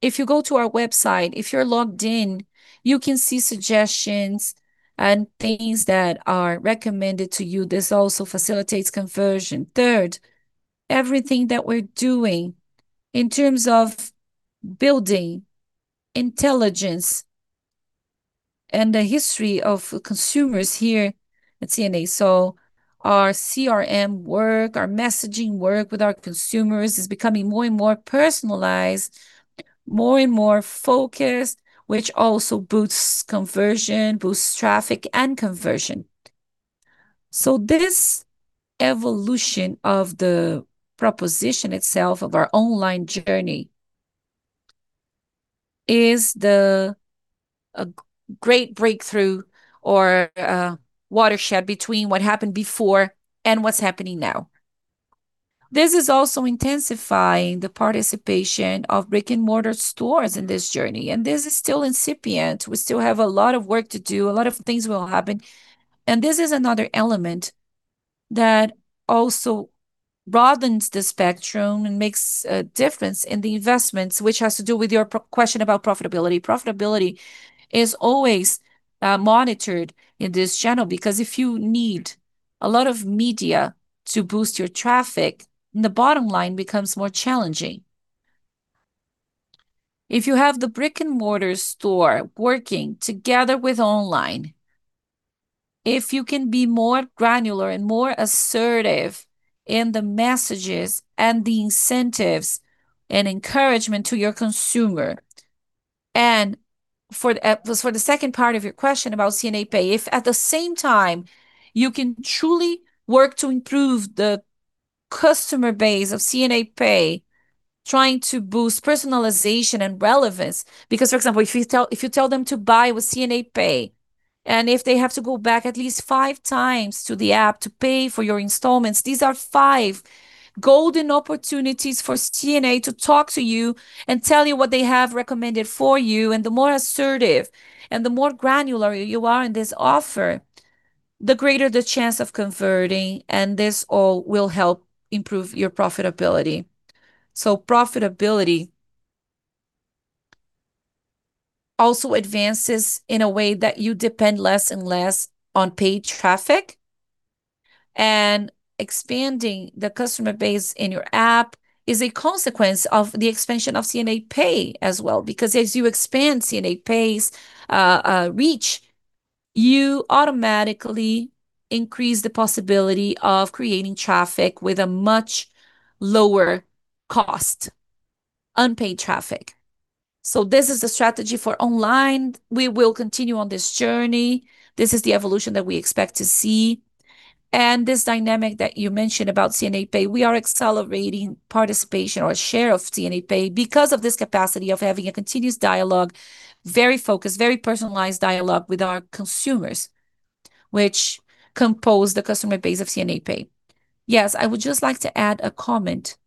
if you go to our website, if you're logged in, you can see suggestions and things that are recommended to you. This also facilitates conversion. Third, everything that we're doing in terms of building intelligence and the history of consumers here at C&A. Our CRM work, our messaging work with our consumers is becoming more and more personalized, more and more focused, which also boosts conversion, boosts traffic and conversion. This evolution of the proposition itself of our online journey is the great breakthrough or watershed between what happened before and what's happening now. This is also intensifying the participation of brick-and-mortar stores in this journey, and this is still incipient. We still have a lot of work to do. A lot of things will happen. This is another element that also broadens the spectrum and makes a difference in the investments, which has to do with your question about profitability. Profitability is always monitored in this channel, because if you need a lot of media to boost your traffic, the bottom line becomes more challenging. If you have the brick-and-mortar store working together with online, if you can be more granular and more assertive in the messages and the incentives and encouragement to your consumer. For the second part of your question about C&A Pay, if at the same time you can truly work to improve the customer base of C&A Pay, trying to boost personalization and relevance. Because, for example, if you tell them to buy with C&A Pay, if they have to go back at least five times to the app to pay for your installments, these are five golden opportunities for C&A to talk to you and tell you what they have recommended for you, and the more assertive and the more granular you are in this offer, the greater the chance of converting, and this all will help improve your profitability. Profitability also advances in a way that you depend less and less on paid traffic. Expanding the customer base in your app is a consequence of the expansion of C&A Pay as well. As you expand C&A Pay's reach, you automatically increase the possibility of creating traffic with a much lower cost, unpaid traffic. This is the strategy for online. We will continue on this journey. This is the evolution that we expect to see. This dynamic that you mentioned about C&A Pay, we are accelerating participation or share of C&A Pay because of this capacity of having a continuous dialogue, very focused, very personalized dialogue with our consumers, which compose the customer base of C&A Pay. I would just like to add a comment.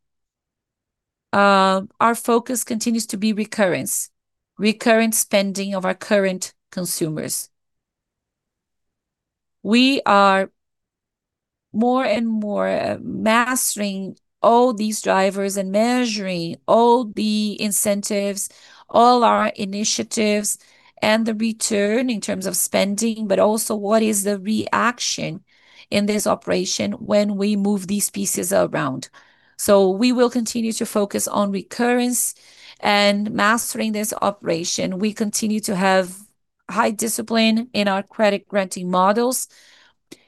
Our focus continues to be recurrence, recurrent spending of our current consumers. We are more and more mastering all these drivers and measuring all the incentives, all our initiatives, and the return in terms of spending, but also what is the reaction in this operation when we move these pieces around. We will continue to focus on recurrence and mastering this operation. We continue to have high discipline in our credit granting models.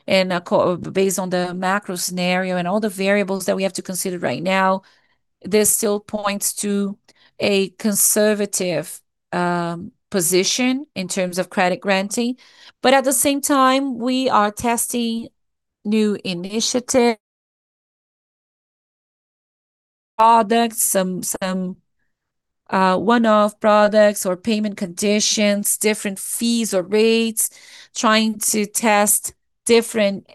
Based on the macro scenario and all the variables that we have to consider right now, this still points to a conservative position in terms of credit granting. At the same time, we are testing new initiatives, products, some one-off products or payment conditions, different fees or rates, trying to test different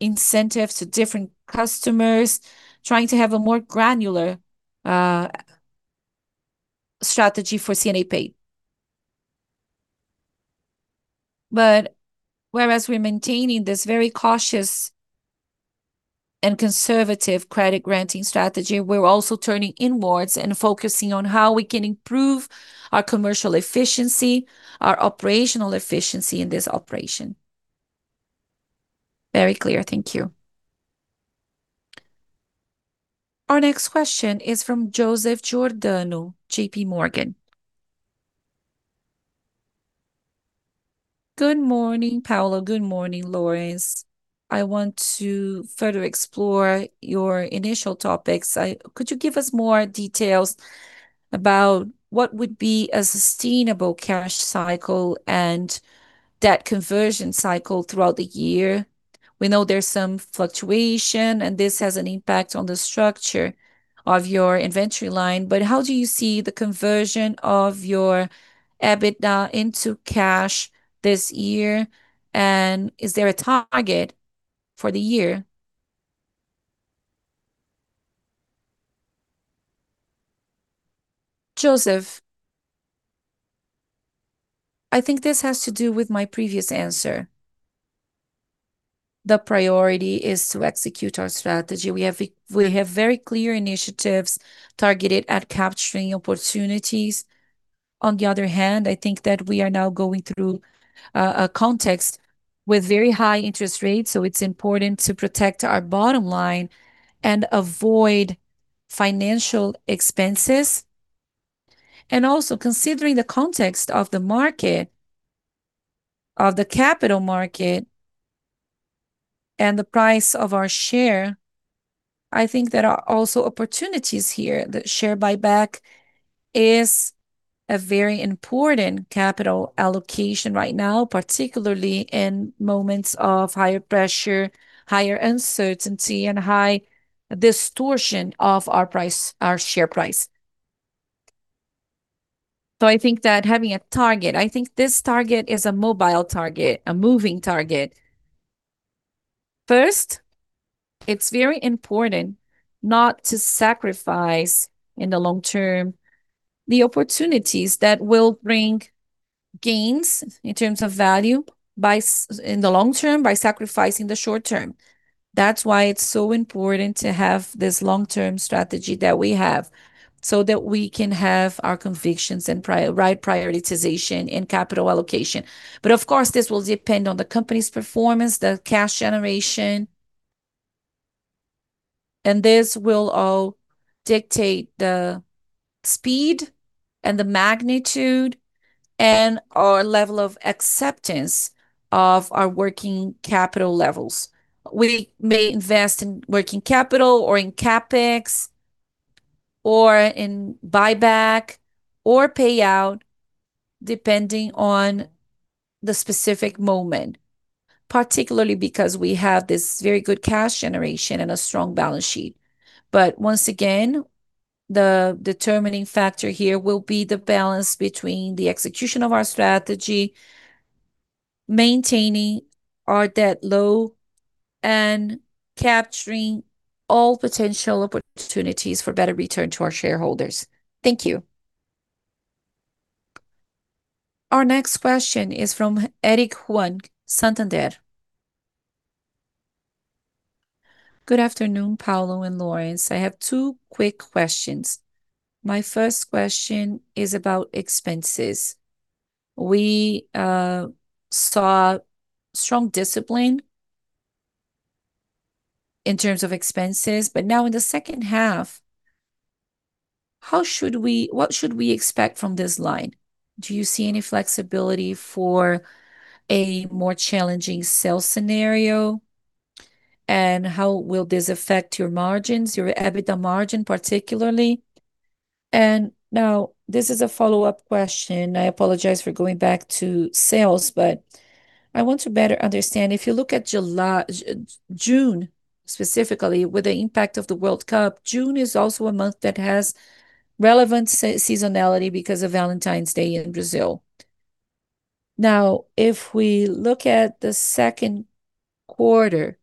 incentives to different customers, trying to have a more granular strategy for C&A Pay. Whereas we're maintaining this very cautious and conservative credit granting strategy, we're also turning inwards and focusing on how we can improve our commercial efficiency, our operational efficiency in this operation. Very clear. Thank you. Our next question is from Joseph Giordano, JPMorgan. Good morning, Paulo. Good morning, Laurence. I want to further explore your initial topics. Could you give us more details about what would be a sustainable cash cycle and debt conversion cycle throughout the year? We know there's some fluctuation, and this has an impact on the structure of your inventory line. How do you see the conversion of your EBITDA into cash this year? Is there a target for the year? Joseph, I think this has to do with my previous answer. The priority is to execute our strategy. We have very clear initiatives targeted at capturing opportunities. I think that we are now going through a context with very high interest rates, so it's important to protect our bottom line and avoid financial expenses. Also considering the context of the market, of the capital market, and the price of our share, I think there are also opportunities here. The share buyback is a very important capital allocation right now, particularly in moments of higher pressure, higher uncertainty, and high distortion of our share price. I think that having a target, I think this target is a mobile target, a moving target. First, it's very important not to sacrifice in the long term the opportunities that will bring gains in terms of value in the long term, by sacrificing the short term. That's why it's so important to have this long-term strategy that we have, so that we can have our convictions and right prioritization in capital allocation. Of course, this will depend on the company's performance, the cash generation. This will all dictate the speed and the magnitude, and our level of acceptance of our working capital levels. We may invest in working capital or in CapEx, or in buyback or payout, depending on the specific moment, particularly because we have this very good cash generation and a strong balance sheet. Once again, the determining factor here will be the balance between the execution of our strategy, maintaining our debt low, and capturing all potential opportunities for better return to our shareholders. Thank you. Our next question is from Eric Huang, Santander. Good afternoon, Paulo and Laurence. I have two quick questions. My first question is about expenses. We saw strong discipline in terms of expenses, but now in the second half, what should we expect from this line? Do you see any flexibility for a more challenging sales scenario? How will this affect your margins, your EBITDA margin particularly? Now this is a follow-up question. I apologize for going back to sales, but I want to better understand. If you look at June specifically, with the impact of the World Cup, June is also a month that has relevant seasonality because of Valentine's Day in Brazil. If we look at the second quarter,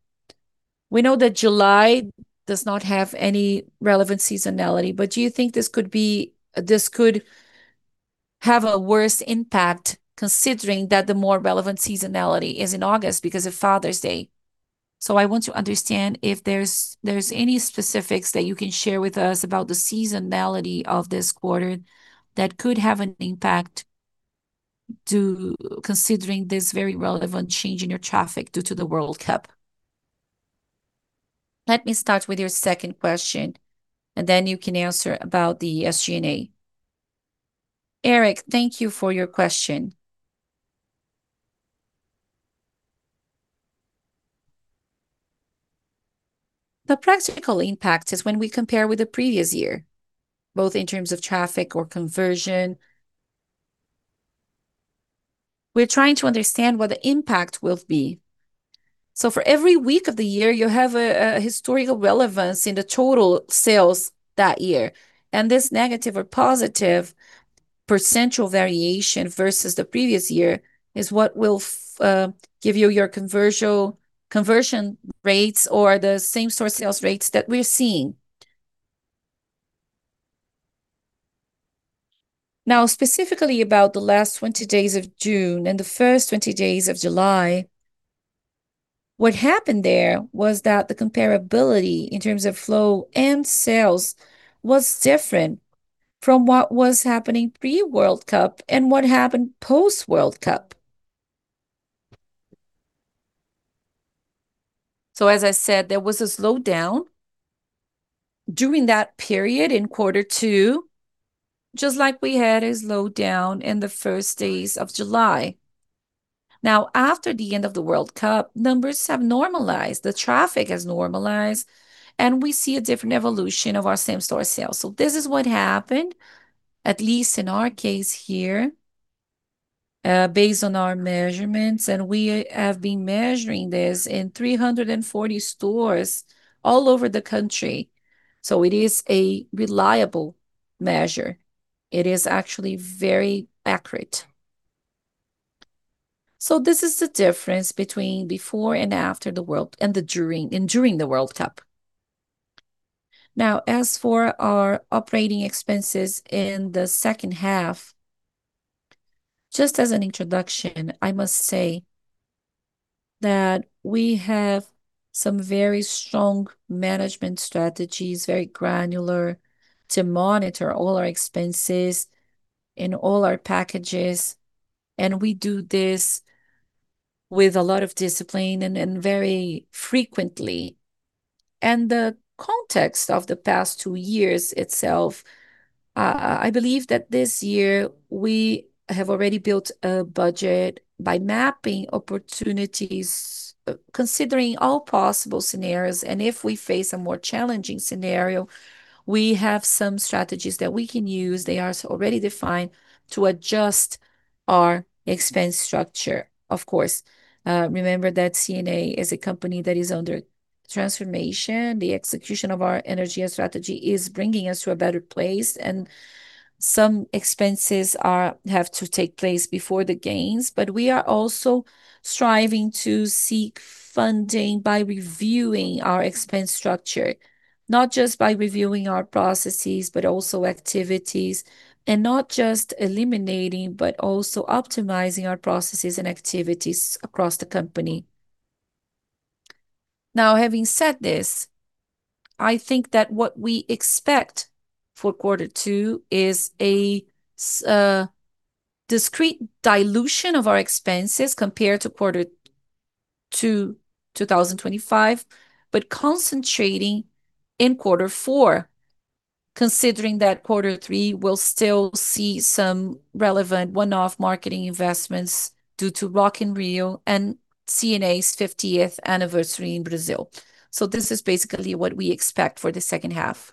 we know that July does not have any relevant seasonality, but do you think this could have a worse impact considering that the more relevant seasonality is in August because of Father's Day? I want to understand if there's any specifics that you can share with us about the seasonality of this quarter that could have an impact to considering this very relevant change in your traffic due to the World Cup. Let me start with your second question, and then you can answer about the SG&A. Eric, thank you for your question. The practical impact is when we compare with the previous year, both in terms of traffic or conversion. We're trying to understand what the impact will be. For every week of the year, you have a historical relevance in the total sales that year, and this negative or positive percentual variation versus the previous year is what will give you your conversion rates or the same store sales rates that we're seeing. Specifically about the last 20 days of June and the first 20 days of July, what happened there was that the comparability in terms of flow and sales was different from what was happening pre-World Cup and what happened post-World Cup. As I said, there was a slowdown during that period in quarter two, just like we had a slowdown in the first days of July. After the end of the World Cup, numbers have normalized, the traffic has normalized, and we see a different evolution of our same-store sales. This is what happened, at least in our case here, based on our measurements, and we have been measuring this in 340 stores all over the country, so it is a reliable measure. It is actually very accurate. This is the difference between before and after the World Cup and during the World Cup. As for our operating expenses in the second half, just as an introduction, I must say that we have some very strong management strategies, very granular, to monitor all our expenses in all our packages. We do this with a lot of discipline and very frequently. The context of the past two years itself, I believe that this year we have already built a budget by mapping opportunities, considering all possible scenarios, and if we face a more challenging scenario, we have some strategies that we can use, they are already defined, to adjust our expense structure. Of course, remember that C&A is a company that is under transformation. The execution of our Energia strategy is bringing us to a better place, and some expenses have to take place before the gains. We are also striving to seek funding by reviewing our expense structure, not just by reviewing our processes, but also activities. Not just eliminating, but also optimizing our processes and activities across the company. Having said this, I think that what we expect for quarter two is a discrete dilution of our expenses compared to quarter two 2025, but concentrating in quarter four, considering that quarter three will still see some relevant one-off marketing investments due to Rock in Rio and C&A's 50th anniversary in Brazil. This is basically what we expect for the second half.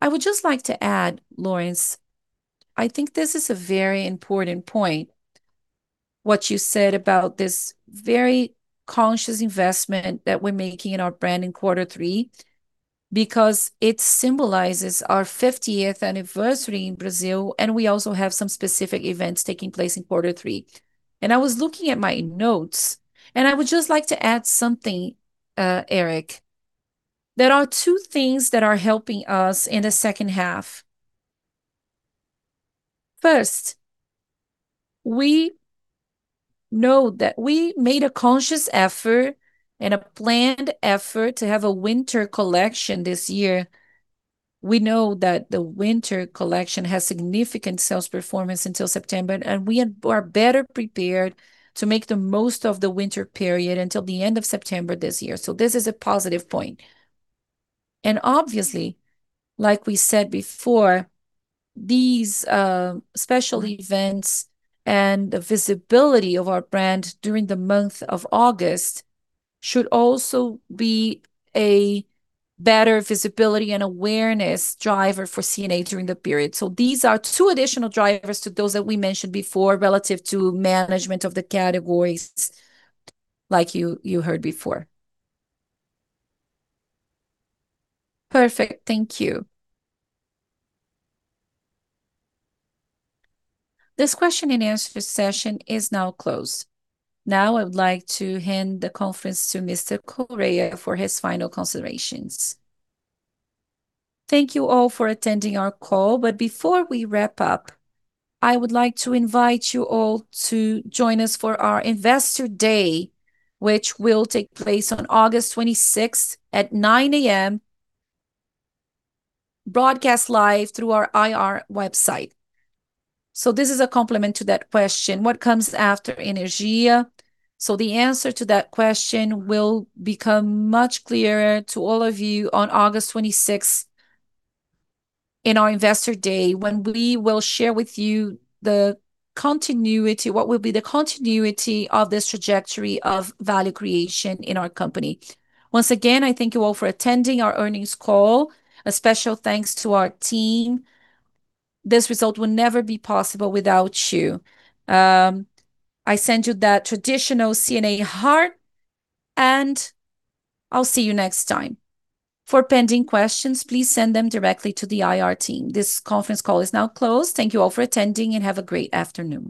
I would just like to add, Laurence, I think this is a very important point, what you said about this very conscious investment that we're making in our brand in quarter three, because it symbolizes our 50th anniversary in Brazil, and we also have some specific events taking place in quarter three. I was looking at my notes, and I would just like to add something, Eric. There are two things that are helping us in the second half. First, we know that we made a conscious effort and a planned effort to have a winter collection this year. We know that the winter collection has significant sales performance until September, and we are better prepared to make the most of the winter period until the end of September this year. This is a positive point. Obviously, like we said before, these special events and the visibility of our brand during the month of August should also be a better visibility and awareness driver for C&A during the period. These are two additional drivers to those that we mentioned before relative to management of the categories like you heard before. Perfect. Thank you. This question and answer session is now closed. I would like to hand the conference to Mr. Correa for his final considerations. Thank you all for attending our call. Before we wrap up, I would like to invite you all to join us for our Investor Day, which will take place on August 26th at 9:00 A.M., broadcast live through our IR website. This is a complement to that question, what comes after Energia? The answer to that question will become much clearer to all of you on August 26th in our Investor Day, when we will share with you what will be the continuity of this trajectory of value creation in our company. Once again, I thank you all for attending our earnings call. A special thanks to our team. This result would never be possible without you. I send you the traditional C&A heart, and I'll see you next time. For pending questions, please send them directly to the IR team. This conference call is now closed. Thank you all for attending, and have a great afternoon